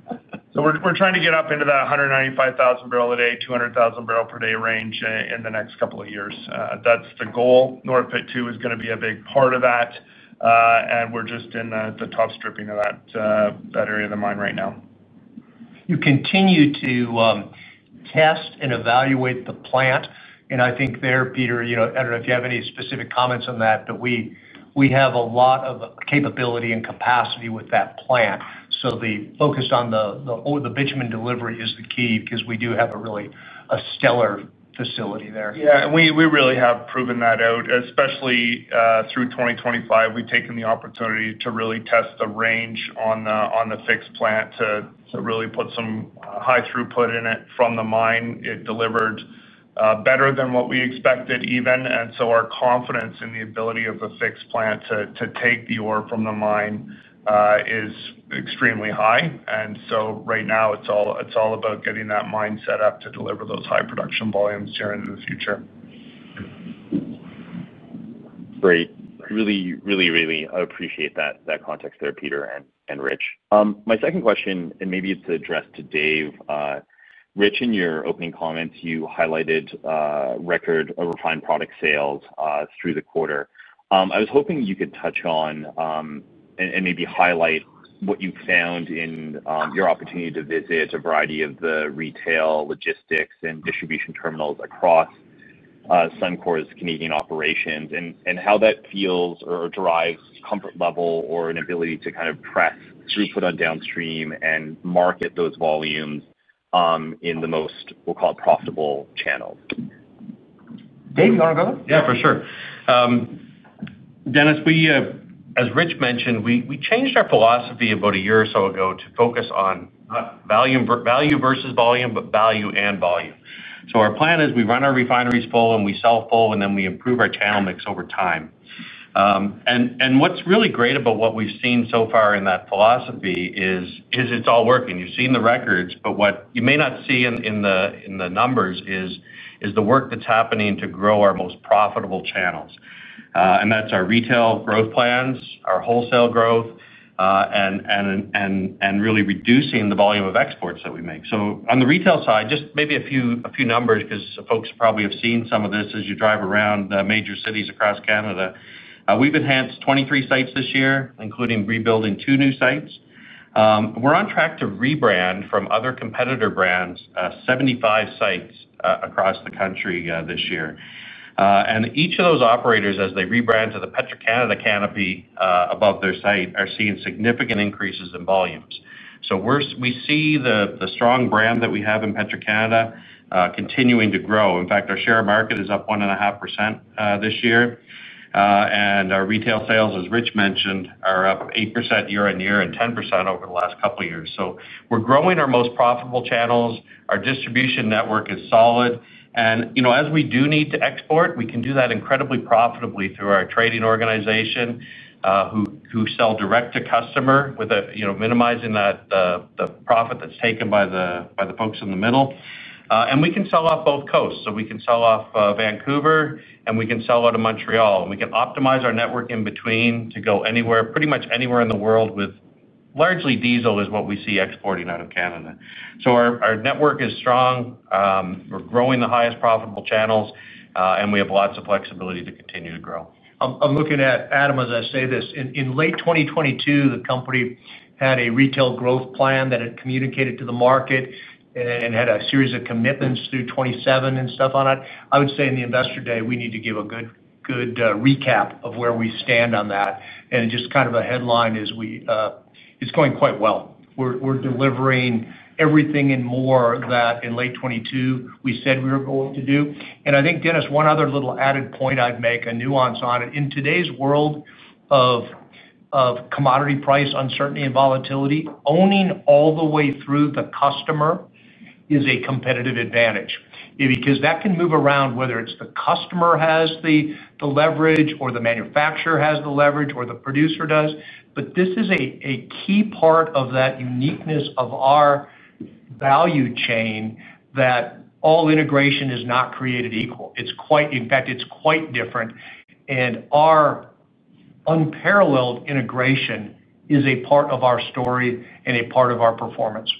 We are trying to get up into that 195,000 bbl a day-200,000 bbl per day range in the next couple of years. That is the goal. North Pit 2 is going to be a big part of that. We're just in the top stripping of that area of the mine right now. You continue to test and evaluate the plant. I think there, Peter, I do not know if you have any specific comments on that, but we have a lot of capability and capacity with that plant. The focus on the bitumen delivery is the key because we do have a really stellar facility there. Yeah. We really have proven that out, especially through 2025. We've taken the opportunity to really test the range on the fixed plant to really put some high throughput in it from the mine. It delivered better than what we expected, even. Our confidence in the ability of the fixed plant to take the ore from the mine is extremely high. Right now, it's all about getting that mine set up to deliver those high production volumes here into the future. Great. Really, really appreciate that context there, Peter and Rich. My second question, and maybe it's addressed to Dave. Rich, in your opening comments, you highlighted record refined product sales through the quarter. I was hoping you could touch on and maybe highlight what you found in your opportunity to visit a variety of the retail, logistics, and distribution terminals across Suncor's Canadian operations and how that feels or drives comfort level or an ability to kind of press throughput on downstream and market those volumes in the most, we'll call it, profitable channels. Dave, you want to go? Yeah, for sure. Dennis, as Rich mentioned, we changed our philosophy about a year or so ago to focus on not value versus volume, but value and volume. Our plan is we run our refineries full, we sell full, and we improve our channel mix over time. What is really great about what we have seen so far in that philosophy is it is all working. You have seen the records, but what you may not see in the numbers is the work that is happening to grow our most profitable channels. That is our retail growth plans, our wholesale growth, and really reducing the volume of exports that we make. On the retail side, just maybe a few numbers because folks probably have seen some of this as you drive around the major cities across Canada. We have enhanced 23 sites this year, including rebuilding two new sites. We're on track to rebrand from other competitor brands 75 sites across the country this year. Each of those operators, as they rebrand to the Petro-Canada canopy above their site, are seeing significant increases in volumes. We see the strong brand that we have in Petro-Canada continuing to grow. In fact, our market share is up 1.5% this year. Our retail sales, as Rich mentioned, are up 8% year on year and 10% over the last couple of years. We're growing our most profitable channels. Our distribution network is solid. As we do need to export, we can do that incredibly profitably through our trading organization who sell direct to customer with minimizing the profit that's taken by the folks in the middle. We can sell off both coasts. We can sell off Vancouver, and we can sell out of Montreal. We can optimize our network in between to go pretty much anywhere in the world with largely diesel is what we see exporting out of Canada. Our network is strong. We are growing the highest profitable channels, and we have lots of flexibility to continue to grow. I am looking at Adam as I say this. In late 2022, the company had a retail growth plan that had communicated to the market and had a series of commitments through 2027 and stuff on it. I would say in the investor day, we need to give a good recap of where we stand on that. Just kind of a headline is, it is going quite well. We are delivering everything and more that in late 2022 we said we were going to do. I think, Dennis, one other little added point I would make, a nuance on it. In today's world of. Commodity price uncertainty and volatility, owning all the way through the customer is a competitive advantage. Because that can move around, whether it's the customer has the leverage or the manufacturer has the leverage or the producer does. This is a key part of that uniqueness of our value chain that all integration is not created equal. In fact, it's quite different. Our unparalleled integration is a part of our story and a part of our performance.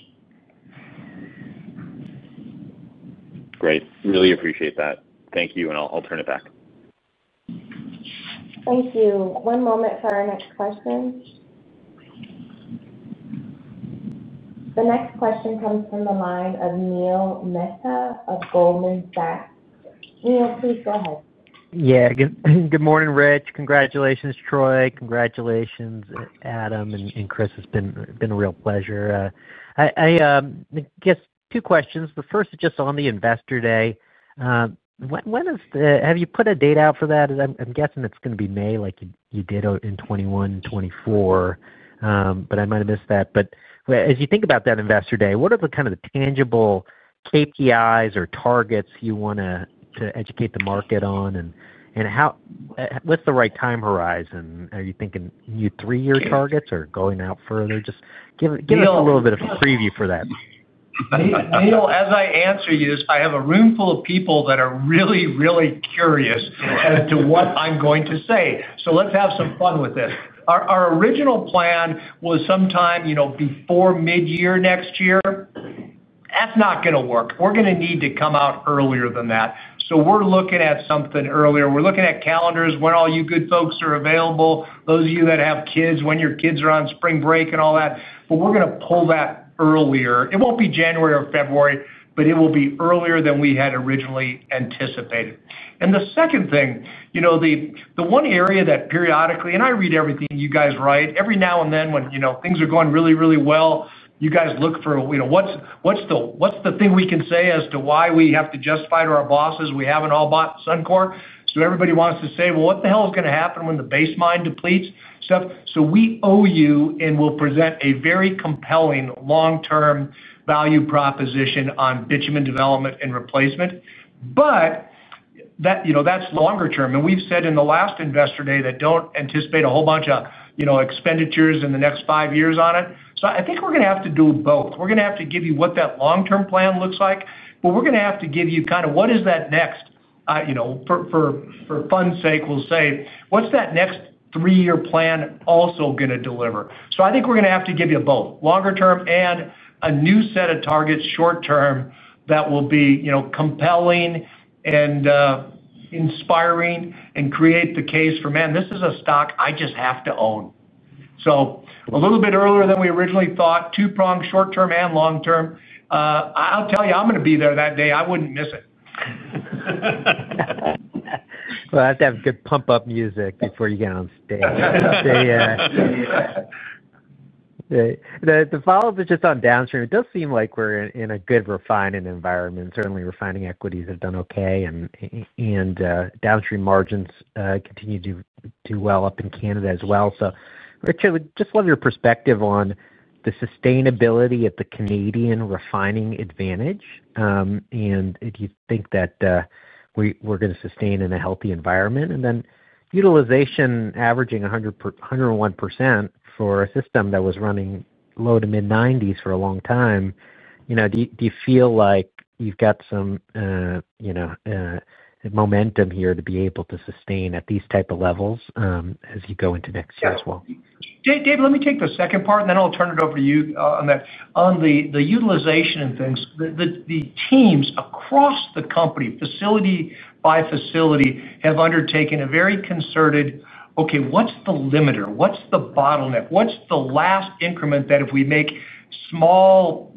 Great. Really appreciate that. Thank you. I'll turn it back. Thank you. One moment for our next question. The next question comes from the line of Neil Mehta of Goldman Sachs. Neil, please go ahead. Yeah. Good morning, Rich. Congratulations, Troy. Congratulations, Adam. And Kris, it's been a real pleasure. I guess two questions. The first is just on the investor day. Have you put a date out for that? I'm guessing it's going to be May like you did in 2021, 2024. I might have missed that. As you think about that investor day, what are the kind of tangible KPIs or targets you want to educate the market on? What is the right time horizon? Are you thinking new three-year targets or going out further? Just give us a little bit of a preview for that. Neil, as I answer you, I have a roomful of people that are really, really curious as to what I'm going to say. Let's have some fun with this. Our original plan was sometime before mid-year next year. That is not going to work. We are going to need to come out earlier than that. We are looking at something earlier. We're looking at calendars, when all you good folks are available, those of you that have kids, when your kids are on spring break and all that. We're going to pull that earlier. It will not be January or February, but it will be earlier than we had originally anticipated. The second thing. The one area that periodically—and I read everything you guys write—every now and then when things are going really, really well, you guys look for what's the thing we can say as to why we have to justify to our bosses we haven't all bought Suncor? Everybody wants to say, "Well, what the hell is going to happen when the base mine depletes?" We owe you and will present a very compelling long-term value proposition on bitumen development and replacement. That is longer term. We have said in the last investor day that we do not anticipate a whole bunch of expenditures in the next five years on it. I think we are going to have to do both. We are going to have to give you what that long-term plan looks like, but we are going to have to give you kind of what is that next—for fun's sake, we will say, "What is that next three-year plan also going to deliver?" I think we are going to have to give you both longer term and a new set of targets short term that will be compelling and inspiring and create the case for, "Man, this is a stock I just have to own." A little bit earlier than we originally thought, two-pronged short term and long term. I will tell you, I am going to be there that day. I would not miss it. I have to have good pump-up music before you get on stage. The follow-up is just on downstream. It does seem like we're in a good refinement environment. Certainly, refining equities have done okay, and downstream margins continue to do well up in Canada as well. Rich, I would just love your perspective on the sustainability of the Canadian refining advantage. If you think that we're going to sustain in a healthy environment, and then utilization averaging 101% for a system that was running low to mid-90s for a long time, do you feel like you've got some momentum here to be able to sustain at these type of levels as you go into next year as well? Dave, let me take the second part, and then I'll turn it over to you on that. On the utilization and things, the teams across the company, facility by facility, have undertaken a very concerted—okay, what's the limiter? What's the bottleneck? What's the last increment that if we make small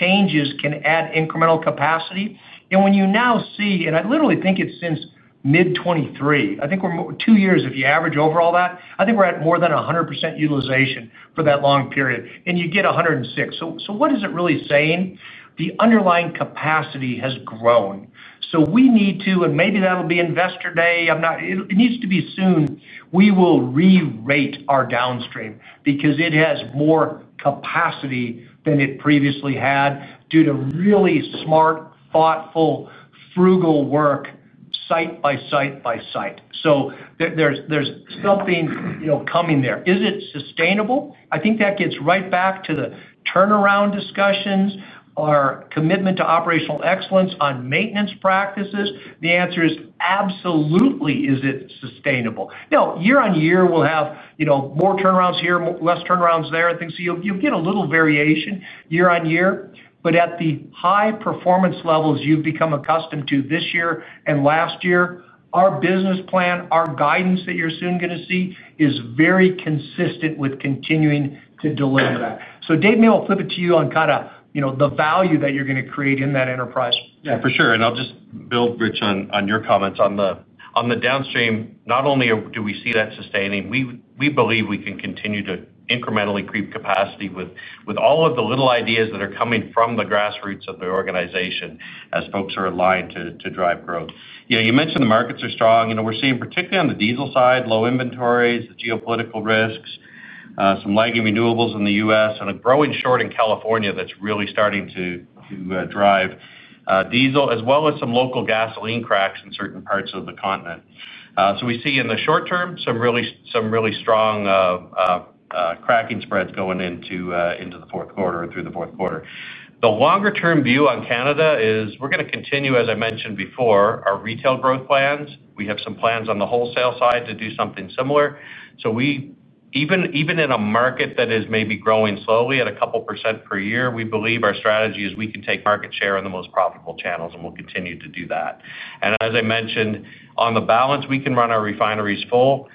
changes can add incremental capacity? When you now see—and I literally think it's since mid-2023—I think we're two years. If you average over all that, I think we're at more than 100% utilization for that long period. You get 106%. What is it really saying? The underlying capacity has grown. We need to—and maybe that'll be investor day—it needs to be soon—we will re-rate our downstream because it has more capacity than it previously had due to really smart, thoughtful, frugal work. Site by site by site. There's something coming there. Is it sustainable? I think that gets right back to the turnaround discussions, our commitment to operational excellence on maintenance practices. The answer is absolutely, is it sustainable? Now, year on year, we'll have more turnarounds here, less turnarounds there, and things. You will get a little variation year on year. At the high performance levels you have become accustomed to this year and last year, our business plan, our guidance that you are soon going to see, is very consistent with continuing to deliver that. Dave, maybe I will flip it to you on kind of the value that you are going to create in that enterprise. Yeah, for sure. I will just build, Rich, on your comments on the downstream. Not only do we see that sustaining, we believe we can continue to incrementally creep capacity with all of the little ideas that are coming from the grassroots of the organization as folks are aligned to drive growth. You mentioned the markets are strong. We're seeing, particularly on the diesel side, low inventories, geopolitical risks, some lagging renewables in the U.S., and a growing short in California that's really starting to drive diesel, as well as some local gasoline cracks in certain parts of the continent. We see in the short term some really strong cracking spreads going into the fourth quarter or through the fourth quarter. The longer-term view on Canada is we're going to continue, as I mentioned before, our retail growth plans. We have some plans on the wholesale side to do something similar. Even in a market that is maybe growing slowly at a couple percent per year, we believe our strategy is we can take market share on the most profitable channels, and we'll continue to do that. As I mentioned, on the balance, we can run our refineries full.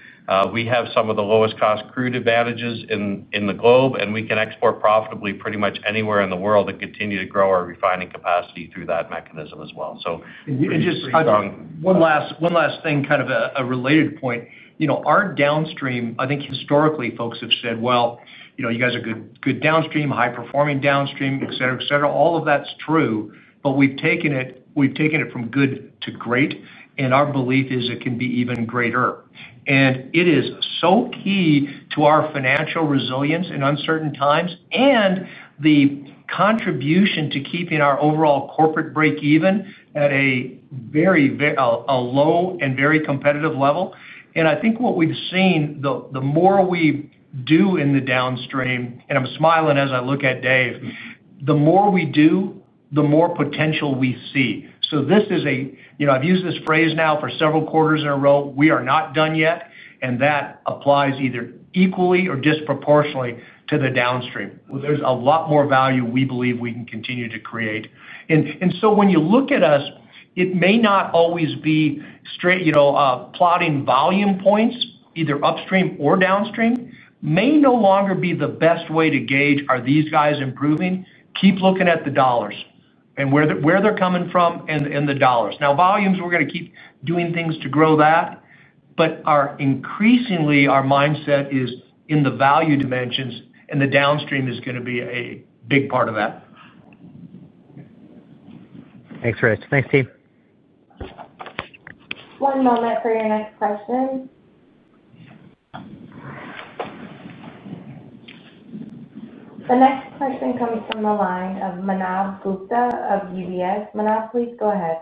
We have some of the lowest cost crude advantages in the globe, and we can export profitably pretty much anywhere in the world and continue to grow our refining capacity through that mechanism as well. One last thing, kind of a related point. Our downstream, I think historically folks have said, "Well, you guys are good downstream, high-performing downstream," etc., etc. All of that is true, but we have taken it from good to great, and our belief is it can be even greater. It is so key to our financial resilience in uncertain times and the contribution to keeping our overall corporate break-even at a very low and very competitive level. I think what we have seen, the more we do in the downstream—I am smiling as I look at Dave—the more we do, the more potential we see. This is a—I've used this phrase now for several quarters in a row—we are not done yet, and that applies either equally or disproportionately to the downstream. There is a lot more value we believe we can continue to create. When you look at us, it may not always be. Plotting volume points, either upstream or downstream, may no longer be the best way to gauge, "Are these guys improving?" Keep looking at the dollars and where they are coming from in the dollars. Now, volumes, we are going to keep doing things to grow that. Increasingly, our mindset is in the value dimensions, and the downstream is going to be a big part of that. Thanks, Rich. Thanks, Dave. One moment for your next question. The next question comes from the line of Manav Gupta of UBS. Manav, please go ahead.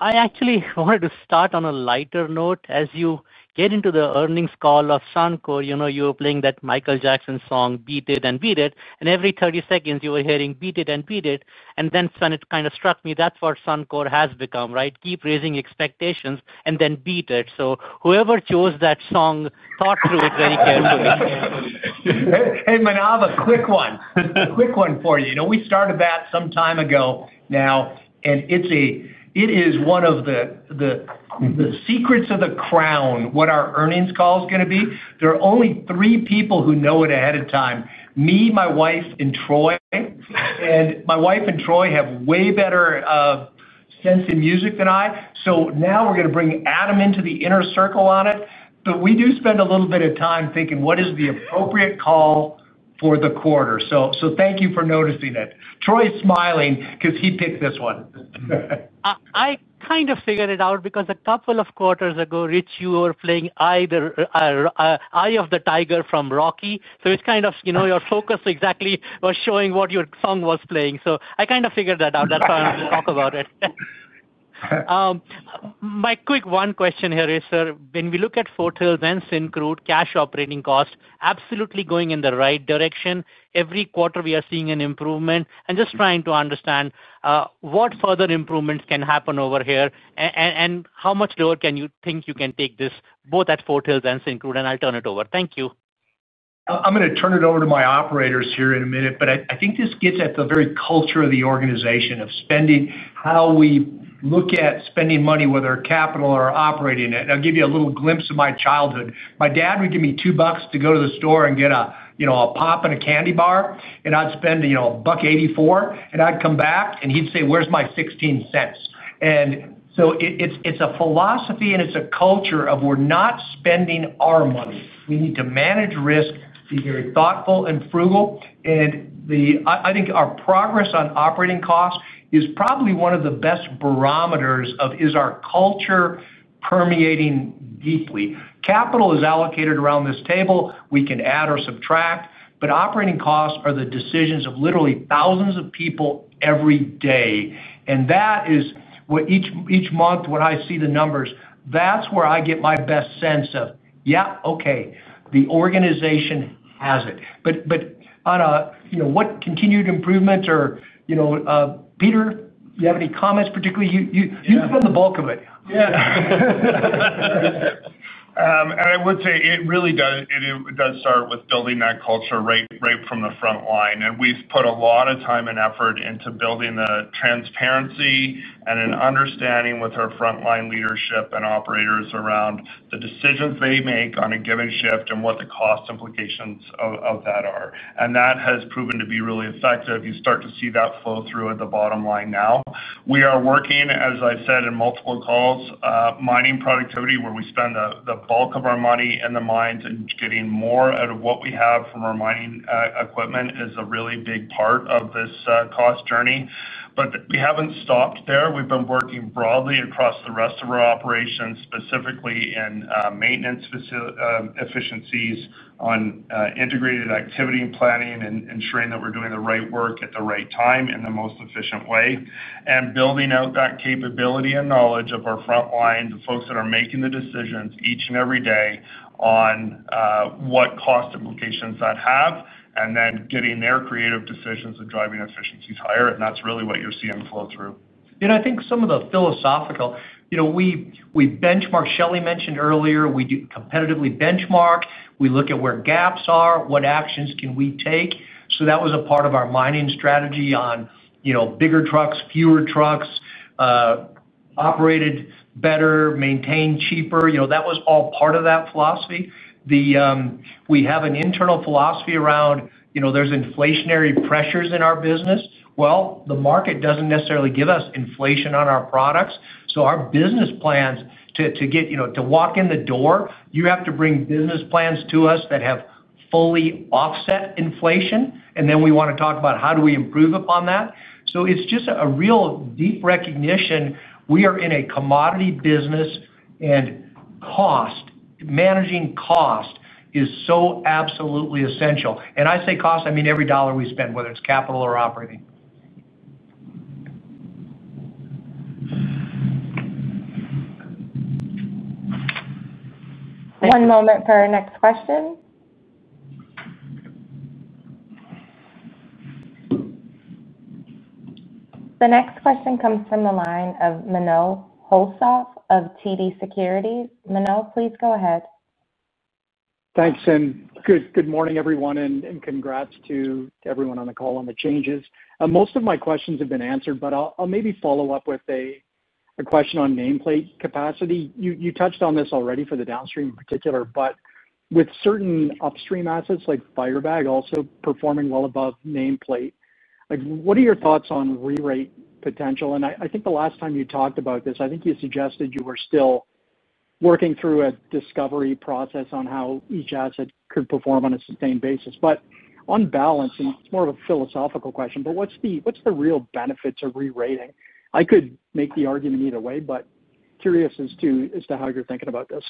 I actually wanted to start on a lighter note. As you get into the earnings call of Suncor, you were playing that Michael Jackson song, "Beat It and Beat It," and every 30 seconds, you were hearing, "Beat It and Beat It." And then when it kind of struck me, that's what Suncor has become, right? Keep raising expectations and then beat it. So whoever chose that song thought through it very carefully. Hey, Manav, a quick one. Quick one for you. We started that some time ago now, and it is one of the secrets of the crown, what our earnings call is going to be. There are only three people who know it ahead of time: me, my wife, and Troy. And my wife and Troy have way better sense in music than I. Now we're going to bring Adam into the inner circle on it. We do spend a little bit of time thinking, "What is the appropriate call for the quarter?" Thank you for noticing it. Troy's smiling because he picked this one. I kind of figured it out because a couple of quarters ago, Rich, you were playing Eye of the Tiger from Rocky. It is kind of your focus exactly was showing what your song was playing. I kind of figured that out. That is why I wanted to talk about it. My quick one question here, Rich, sir. When we look at Fort Hills and Syncrude, cash operating cost, absolutely going in the right direction. Every quarter, we are seeing an improvement. Just trying to understand what further improvements can happen over here and how much lower can you think you can take this both at Fort Hills and Syncrude? I will turn it over. Thank you. I'm going to turn it over to my operators here in a minute, but I think this gets at the very culture of the organization of spending, how we look at spending money, whether capital or operating it. I'll give you a little glimpse of my childhood. My dad would give me 2 bucks to go to the store and get a pop and a candy bar, and I'd spend 1.84, and I'd come back, and he'd say, "Where's my 16 cents?" It's a philosophy, and it's a culture of we're not spending our money. We need to manage risk, be very thoughtful and frugal. I think our progress on operating costs is probably one of the best barometers of is our culture permeating deeply. Capital is allocated around this table. We can add or subtract, but operating costs are the decisions of literally thousands of people every day. That is what each month, when I see the numbers, that's where I get my best sense of, "Yeah, okay, the organization has it." On what continued improvement or. Peter, do you have any comments? Particularly, you've spent the bulk of it. Yeah. I would say it really does start with building that culture right from the front line. We have put a lot of time and effort into building the transparency and an understanding with our frontline leadership and operators around the decisions they make on a given shift and what the cost implications of that are. That has proven to be really effective. You start to see that flow through at the bottom line now. We are working, as I said, in multiple calls, mining productivity, where we spend the bulk of our money in the mines and getting more out of what we have from our mining equipment is a really big part of this cost journey. We have not stopped there. We have been working broadly across the rest of our operations, specifically in maintenance. Efficiencies on integrated activity and planning and ensuring that we are doing the right work at the right time in the most efficient way. Building out that capability and knowledge of our frontline, the folks that are making the decisions each and every day on what cost implications that have, and then getting their creative decisions and driving efficiencies higher. That is really what you are seeing flow through. I think some of the philosophical. We benchmark. Shelley mentioned earlier, we do competitively benchmark. We look at where gaps are, what actions can we take. That was a part of our mining strategy on bigger trucks, fewer trucks. Operated better, maintained cheaper. That was all part of that philosophy. We have an internal philosophy around there's inflationary pressures in our business. The market doesn't necessarily give us inflation on our products. Our business plans to get to walk in the door, you have to bring business plans to us that have fully offset inflation. We want to talk about how do we improve upon that. It is just a real deep recognition. We are in a commodity business, and managing cost is so absolutely essential. When I say cost, I mean every dollar we spend, whether it's capital or operating. One moment for our next question. The next question comes from the line of Menno Hulshof of TD Securities. Menno, please go ahead. Thanks. And good morning, everyone, and congrats to everyone on the call on the changes. Most of my questions have been answered, but I'll maybe follow up with a question on nameplate capacity. You touched on this already for the downstream in particular, but with certain upstream assets like Firebag also performing well above nameplate, what are your thoughts on re-rate potential? I think the last time you talked about this, I think you suggested you were still working through a discovery process on how each asset could perform on a sustained basis. On balance, and it's more of a philosophical question, what's the real benefit to re-rating? I could make the argument either way, but curious as to how you're thinking about this.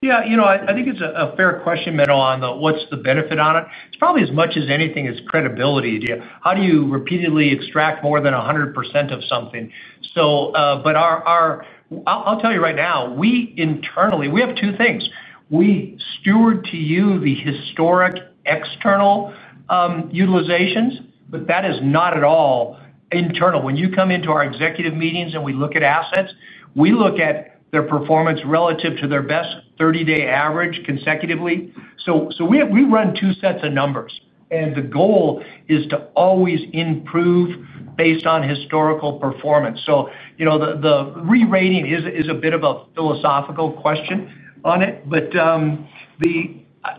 Yeah. I think it's a fair question, Menno, on what's the benefit on it. It's probably as much as anything is credibility. How do you repeatedly extract more than 100% of something? But I'll tell you right now, we internally, we have two things. We steward to you the historic external utilizations, but that is not at all internal. When you come into our executive meetings and we look at assets, we look at their performance relative to their best 30-day average consecutively. We run two sets of numbers, and the goal is to always improve based on historical performance. The re-rating is a bit of a philosophical question on it, but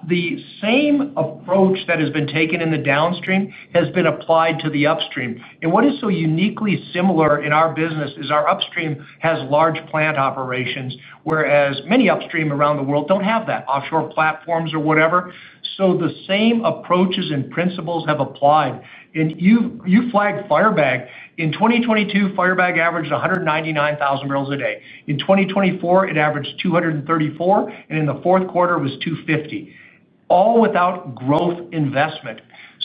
the same approach that has been taken in the downstream has been applied to the upstream. What is so uniquely similar in our business is our upstream has large plant operations, whereas many upstream around the world do not have that, offshore platforms or whatever. The same approaches and principles have applied. You flagged Firebag. In 2022, Firebag averaged 199,000 bbl a day. In 2024, it averaged 234,000 bbl, and in the fourth quarter, it was 250,000 bbl, all without growth investment.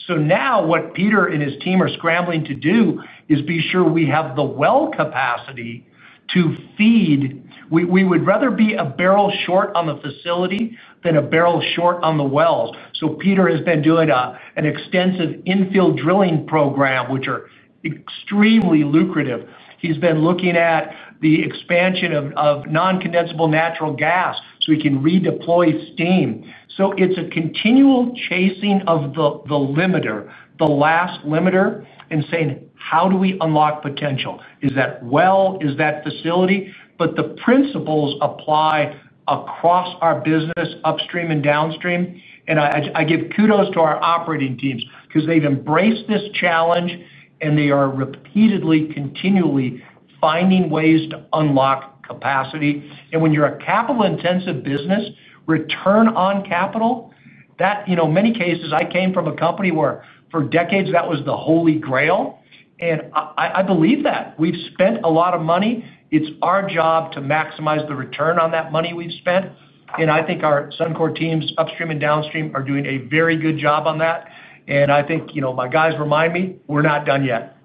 Now what Peter and his team are scrambling to do is be sure we have the well capacity to feed. We would rather be a barrel short on the facility than a barrel short on the wells. Peter has been doing an extensive infield drilling program, which are extremely lucrative. He's been looking at the expansion of non-condensable natural gas so we can redeploy steam. It is a continual chasing of the limiter, the last limiter, and saying, "How do we unlock potential? Is that well? Is that facility?" The principles apply across our business upstream and downstream. I give kudos to our operating teams because they've embraced this challenge, and they are repeatedly, continually finding ways to unlock capacity. When you're a capital-intensive business, return on capital, that in many cases, I came from a company where for decades that was the Holy Grail. I believe that. We've spent a lot of money. It's our job to maximize the return on that money we've spent. I think our Suncor teams, upstream and downstream, are doing a very good job on that. I think my guys remind me, "We're not done yet."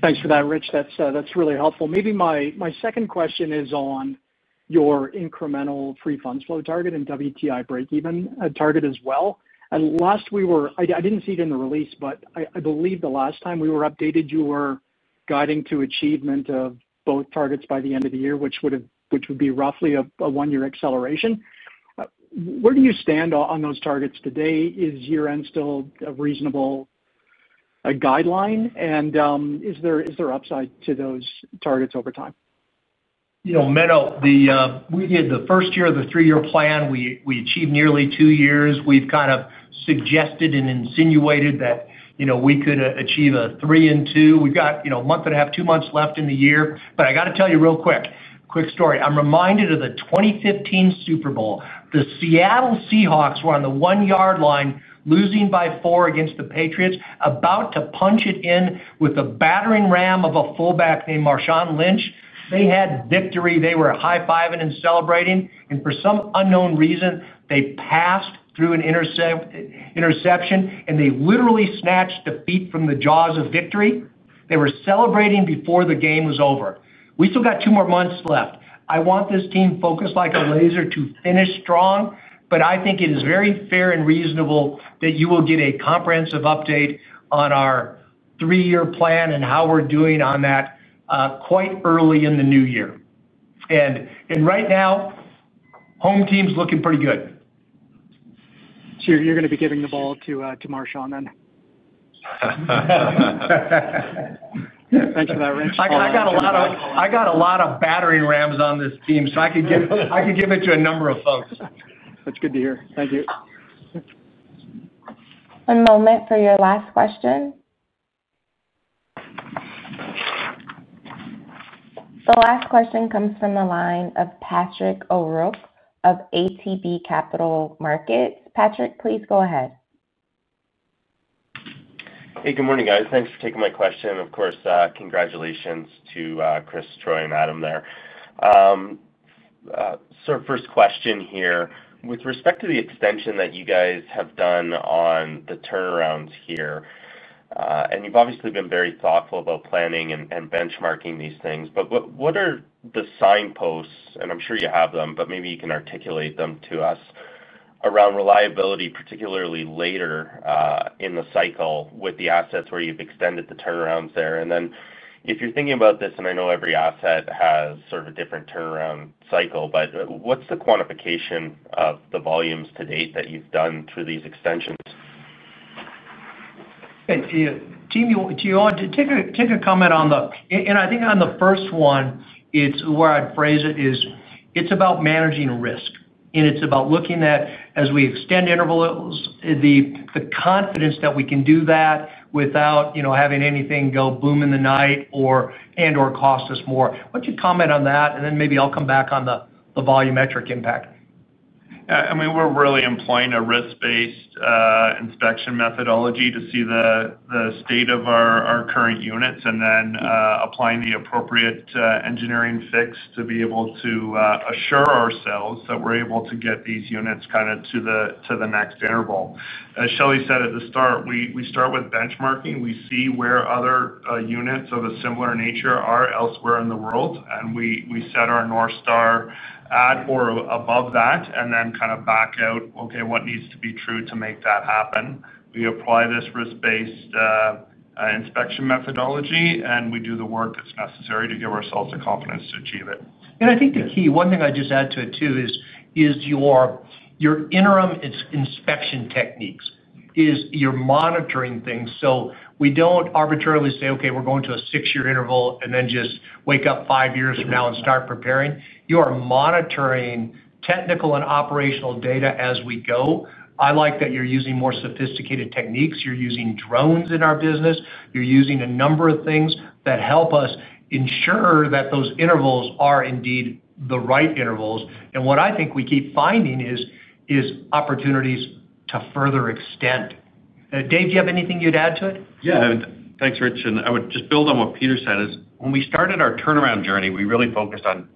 Thanks for that, Rich. That's really helpful. Maybe my second question is on your incremental pre-fund flow target and WTI break-even target as well. Last we were, I did not see it in the release, but I believe the last time we were updated, you were guiding to achievement of both targets by the end of the year, which would be roughly a one-year acceleration. Where do you stand on those targets today? Is year-end still a reasonable guideline? And is there upside to those targets over time? Menno, we did the first year of the three-year plan. We achieved nearly two years. We have kind of suggested and insinuated that we could achieve a three and two. We have got a month and a half, two months left in the year. I have to tell you a real quick story. I am reminded of the 2015 Super Bowl. The Seattle Seahawks were on the one-yard line, losing by four against the Patriots, about to punch it in with a battering ram of a fullback named Marshawn Lynch. They had victory. They were high-fiving and celebrating. For some unknown reason, they passed through an interception, and they literally snatched the feet from the jaws of victory. They were celebrating before the game was over. We still got two more months left. I want this team focused like a laser to finish strong. I think it is very fair and reasonable that you will get a comprehensive update on our three-year plan and how we're doing on that quite early in the new year. Right now, home team's looking pretty good. You're going to be giving the ball to Marshawn then? Thanks for that, Rich. I got a lot of battering rams on this team, so I could give it to a number of folks. That's good to hear. Thank you. One moment for your last question. The last question comes from the line of Patrick O'Rourke of ATB Capital Markets. Patrick, please go ahead. Hey, good morning, guys. Thanks for taking my question. Of course, congratulations to Kris, Troy, and Adam there. First question here. With respect to the extension that you guys have done on the turnarounds here. You have obviously been very thoughtful about planning and benchmarking these things. What are the signposts? I am sure you have them, but maybe you can articulate them to us around reliability, particularly later in the cycle with the assets where you have extended the turnarounds there. If you're thinking about this, and I know every asset has sort of a different turnaround cycle, what's the quantification of the volumes to date that you've done through these extensions? Team, do you want to take a comment on the—I think on the first one, where I'd phrase it is it's about managing risk. It's about looking at, as we extend intervals, the confidence that we can do that without having anything go boom in the night and/or cost us more. What's your comment on that? Maybe I'll come back on the volumetric impact. I mean, we're really employing a risk-based inspection methodology to see the state of our current units and then applying the appropriate engineering fix to be able to assure ourselves that we're able to get these units kind of to the next interval. As Shelley said at the start, we start with benchmarking. We see where other units of a similar nature are elsewhere in the world, and we set our North Star at or above that, and then kind of back out, "Okay, what needs to be true to make that happen?" We apply this risk-based inspection methodology, and we do the work that's necessary to give ourselves the confidence to achieve it. I think the key—one thing I just add to it too is your interim inspection techniques is you're monitoring things. We do not arbitrarily say, "Okay, we're going to a six-year interval," and then just wake up five years from now and start preparing. You are monitoring technical and operational data as we go. I like that you're using more sophisticated techniques. You're using drones in our business. You're using a number of things that help us ensure that those intervals are indeed the right intervals. What I think we keep finding is opportunities to further extend. Dave, do you have anything you'd add to it? Yeah. Thanks, Rich. I would just build on what Peter said. When we started our turnaround journey, we really focused on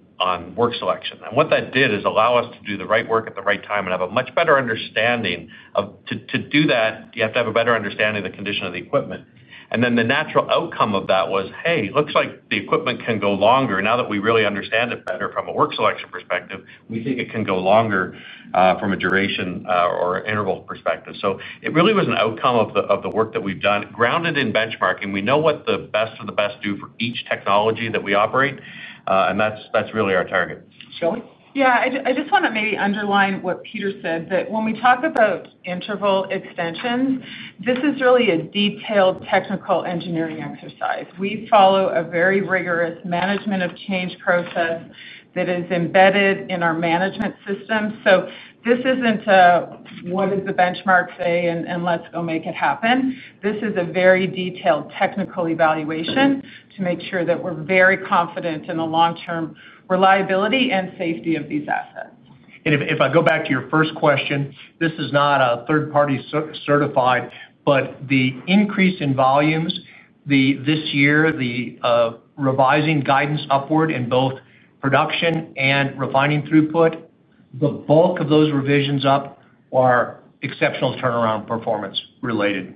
work selection. What that did is allow us to do the right work at the right time and have a much better understanding of—to do that, you have to have a better understanding of the condition of the equipment. The natural outcome of that was, "Hey, it looks like the equipment can go longer." Now that we really understand it better from a work selection perspective, we think it can go longer from a duration or interval perspective. It really was an outcome of the work that we've done, grounded in benchmarking. We know what the best of the best do for each technology that we operate. That is really our target. Shelley? Yeah. I just want to maybe underline what Peter said, that when we talk about interval extensions, this is really a detailed technical engineering exercise. We follow a very rigorous management of change process that is embedded in our management system. This is not, "What does the benchmark say?" and, "Let's go make it happen." This is a very detailed technical evaluation to make sure that we're very confident in the long-term reliability and safety of these assets. If I go back to your first question, this is not third-party certified. The increase in volumes this year, the revising guidance upward in both production and refining throughput, the bulk of those revisions up are exceptional turnaround performance related.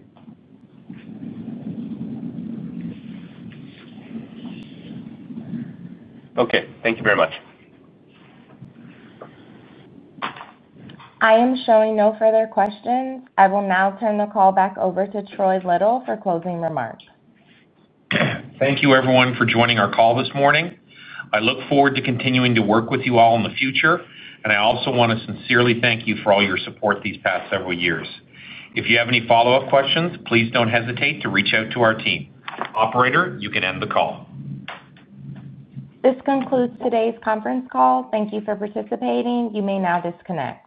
Okay. Thank you very much. I am showing no further questions. I will now turn the call back over to Troy Little for closing remarks. Thank you, everyone, for joining our call this morning. I look forward to continuing to work with you all in the future, and I also want to sincerely thank you for all your support these past several years. If you have any follow-up questions, please do not hesitate to reach out to our team. Operator, you can end the call. This concludes today's conference call. Thank you for participating. You may now disconnect.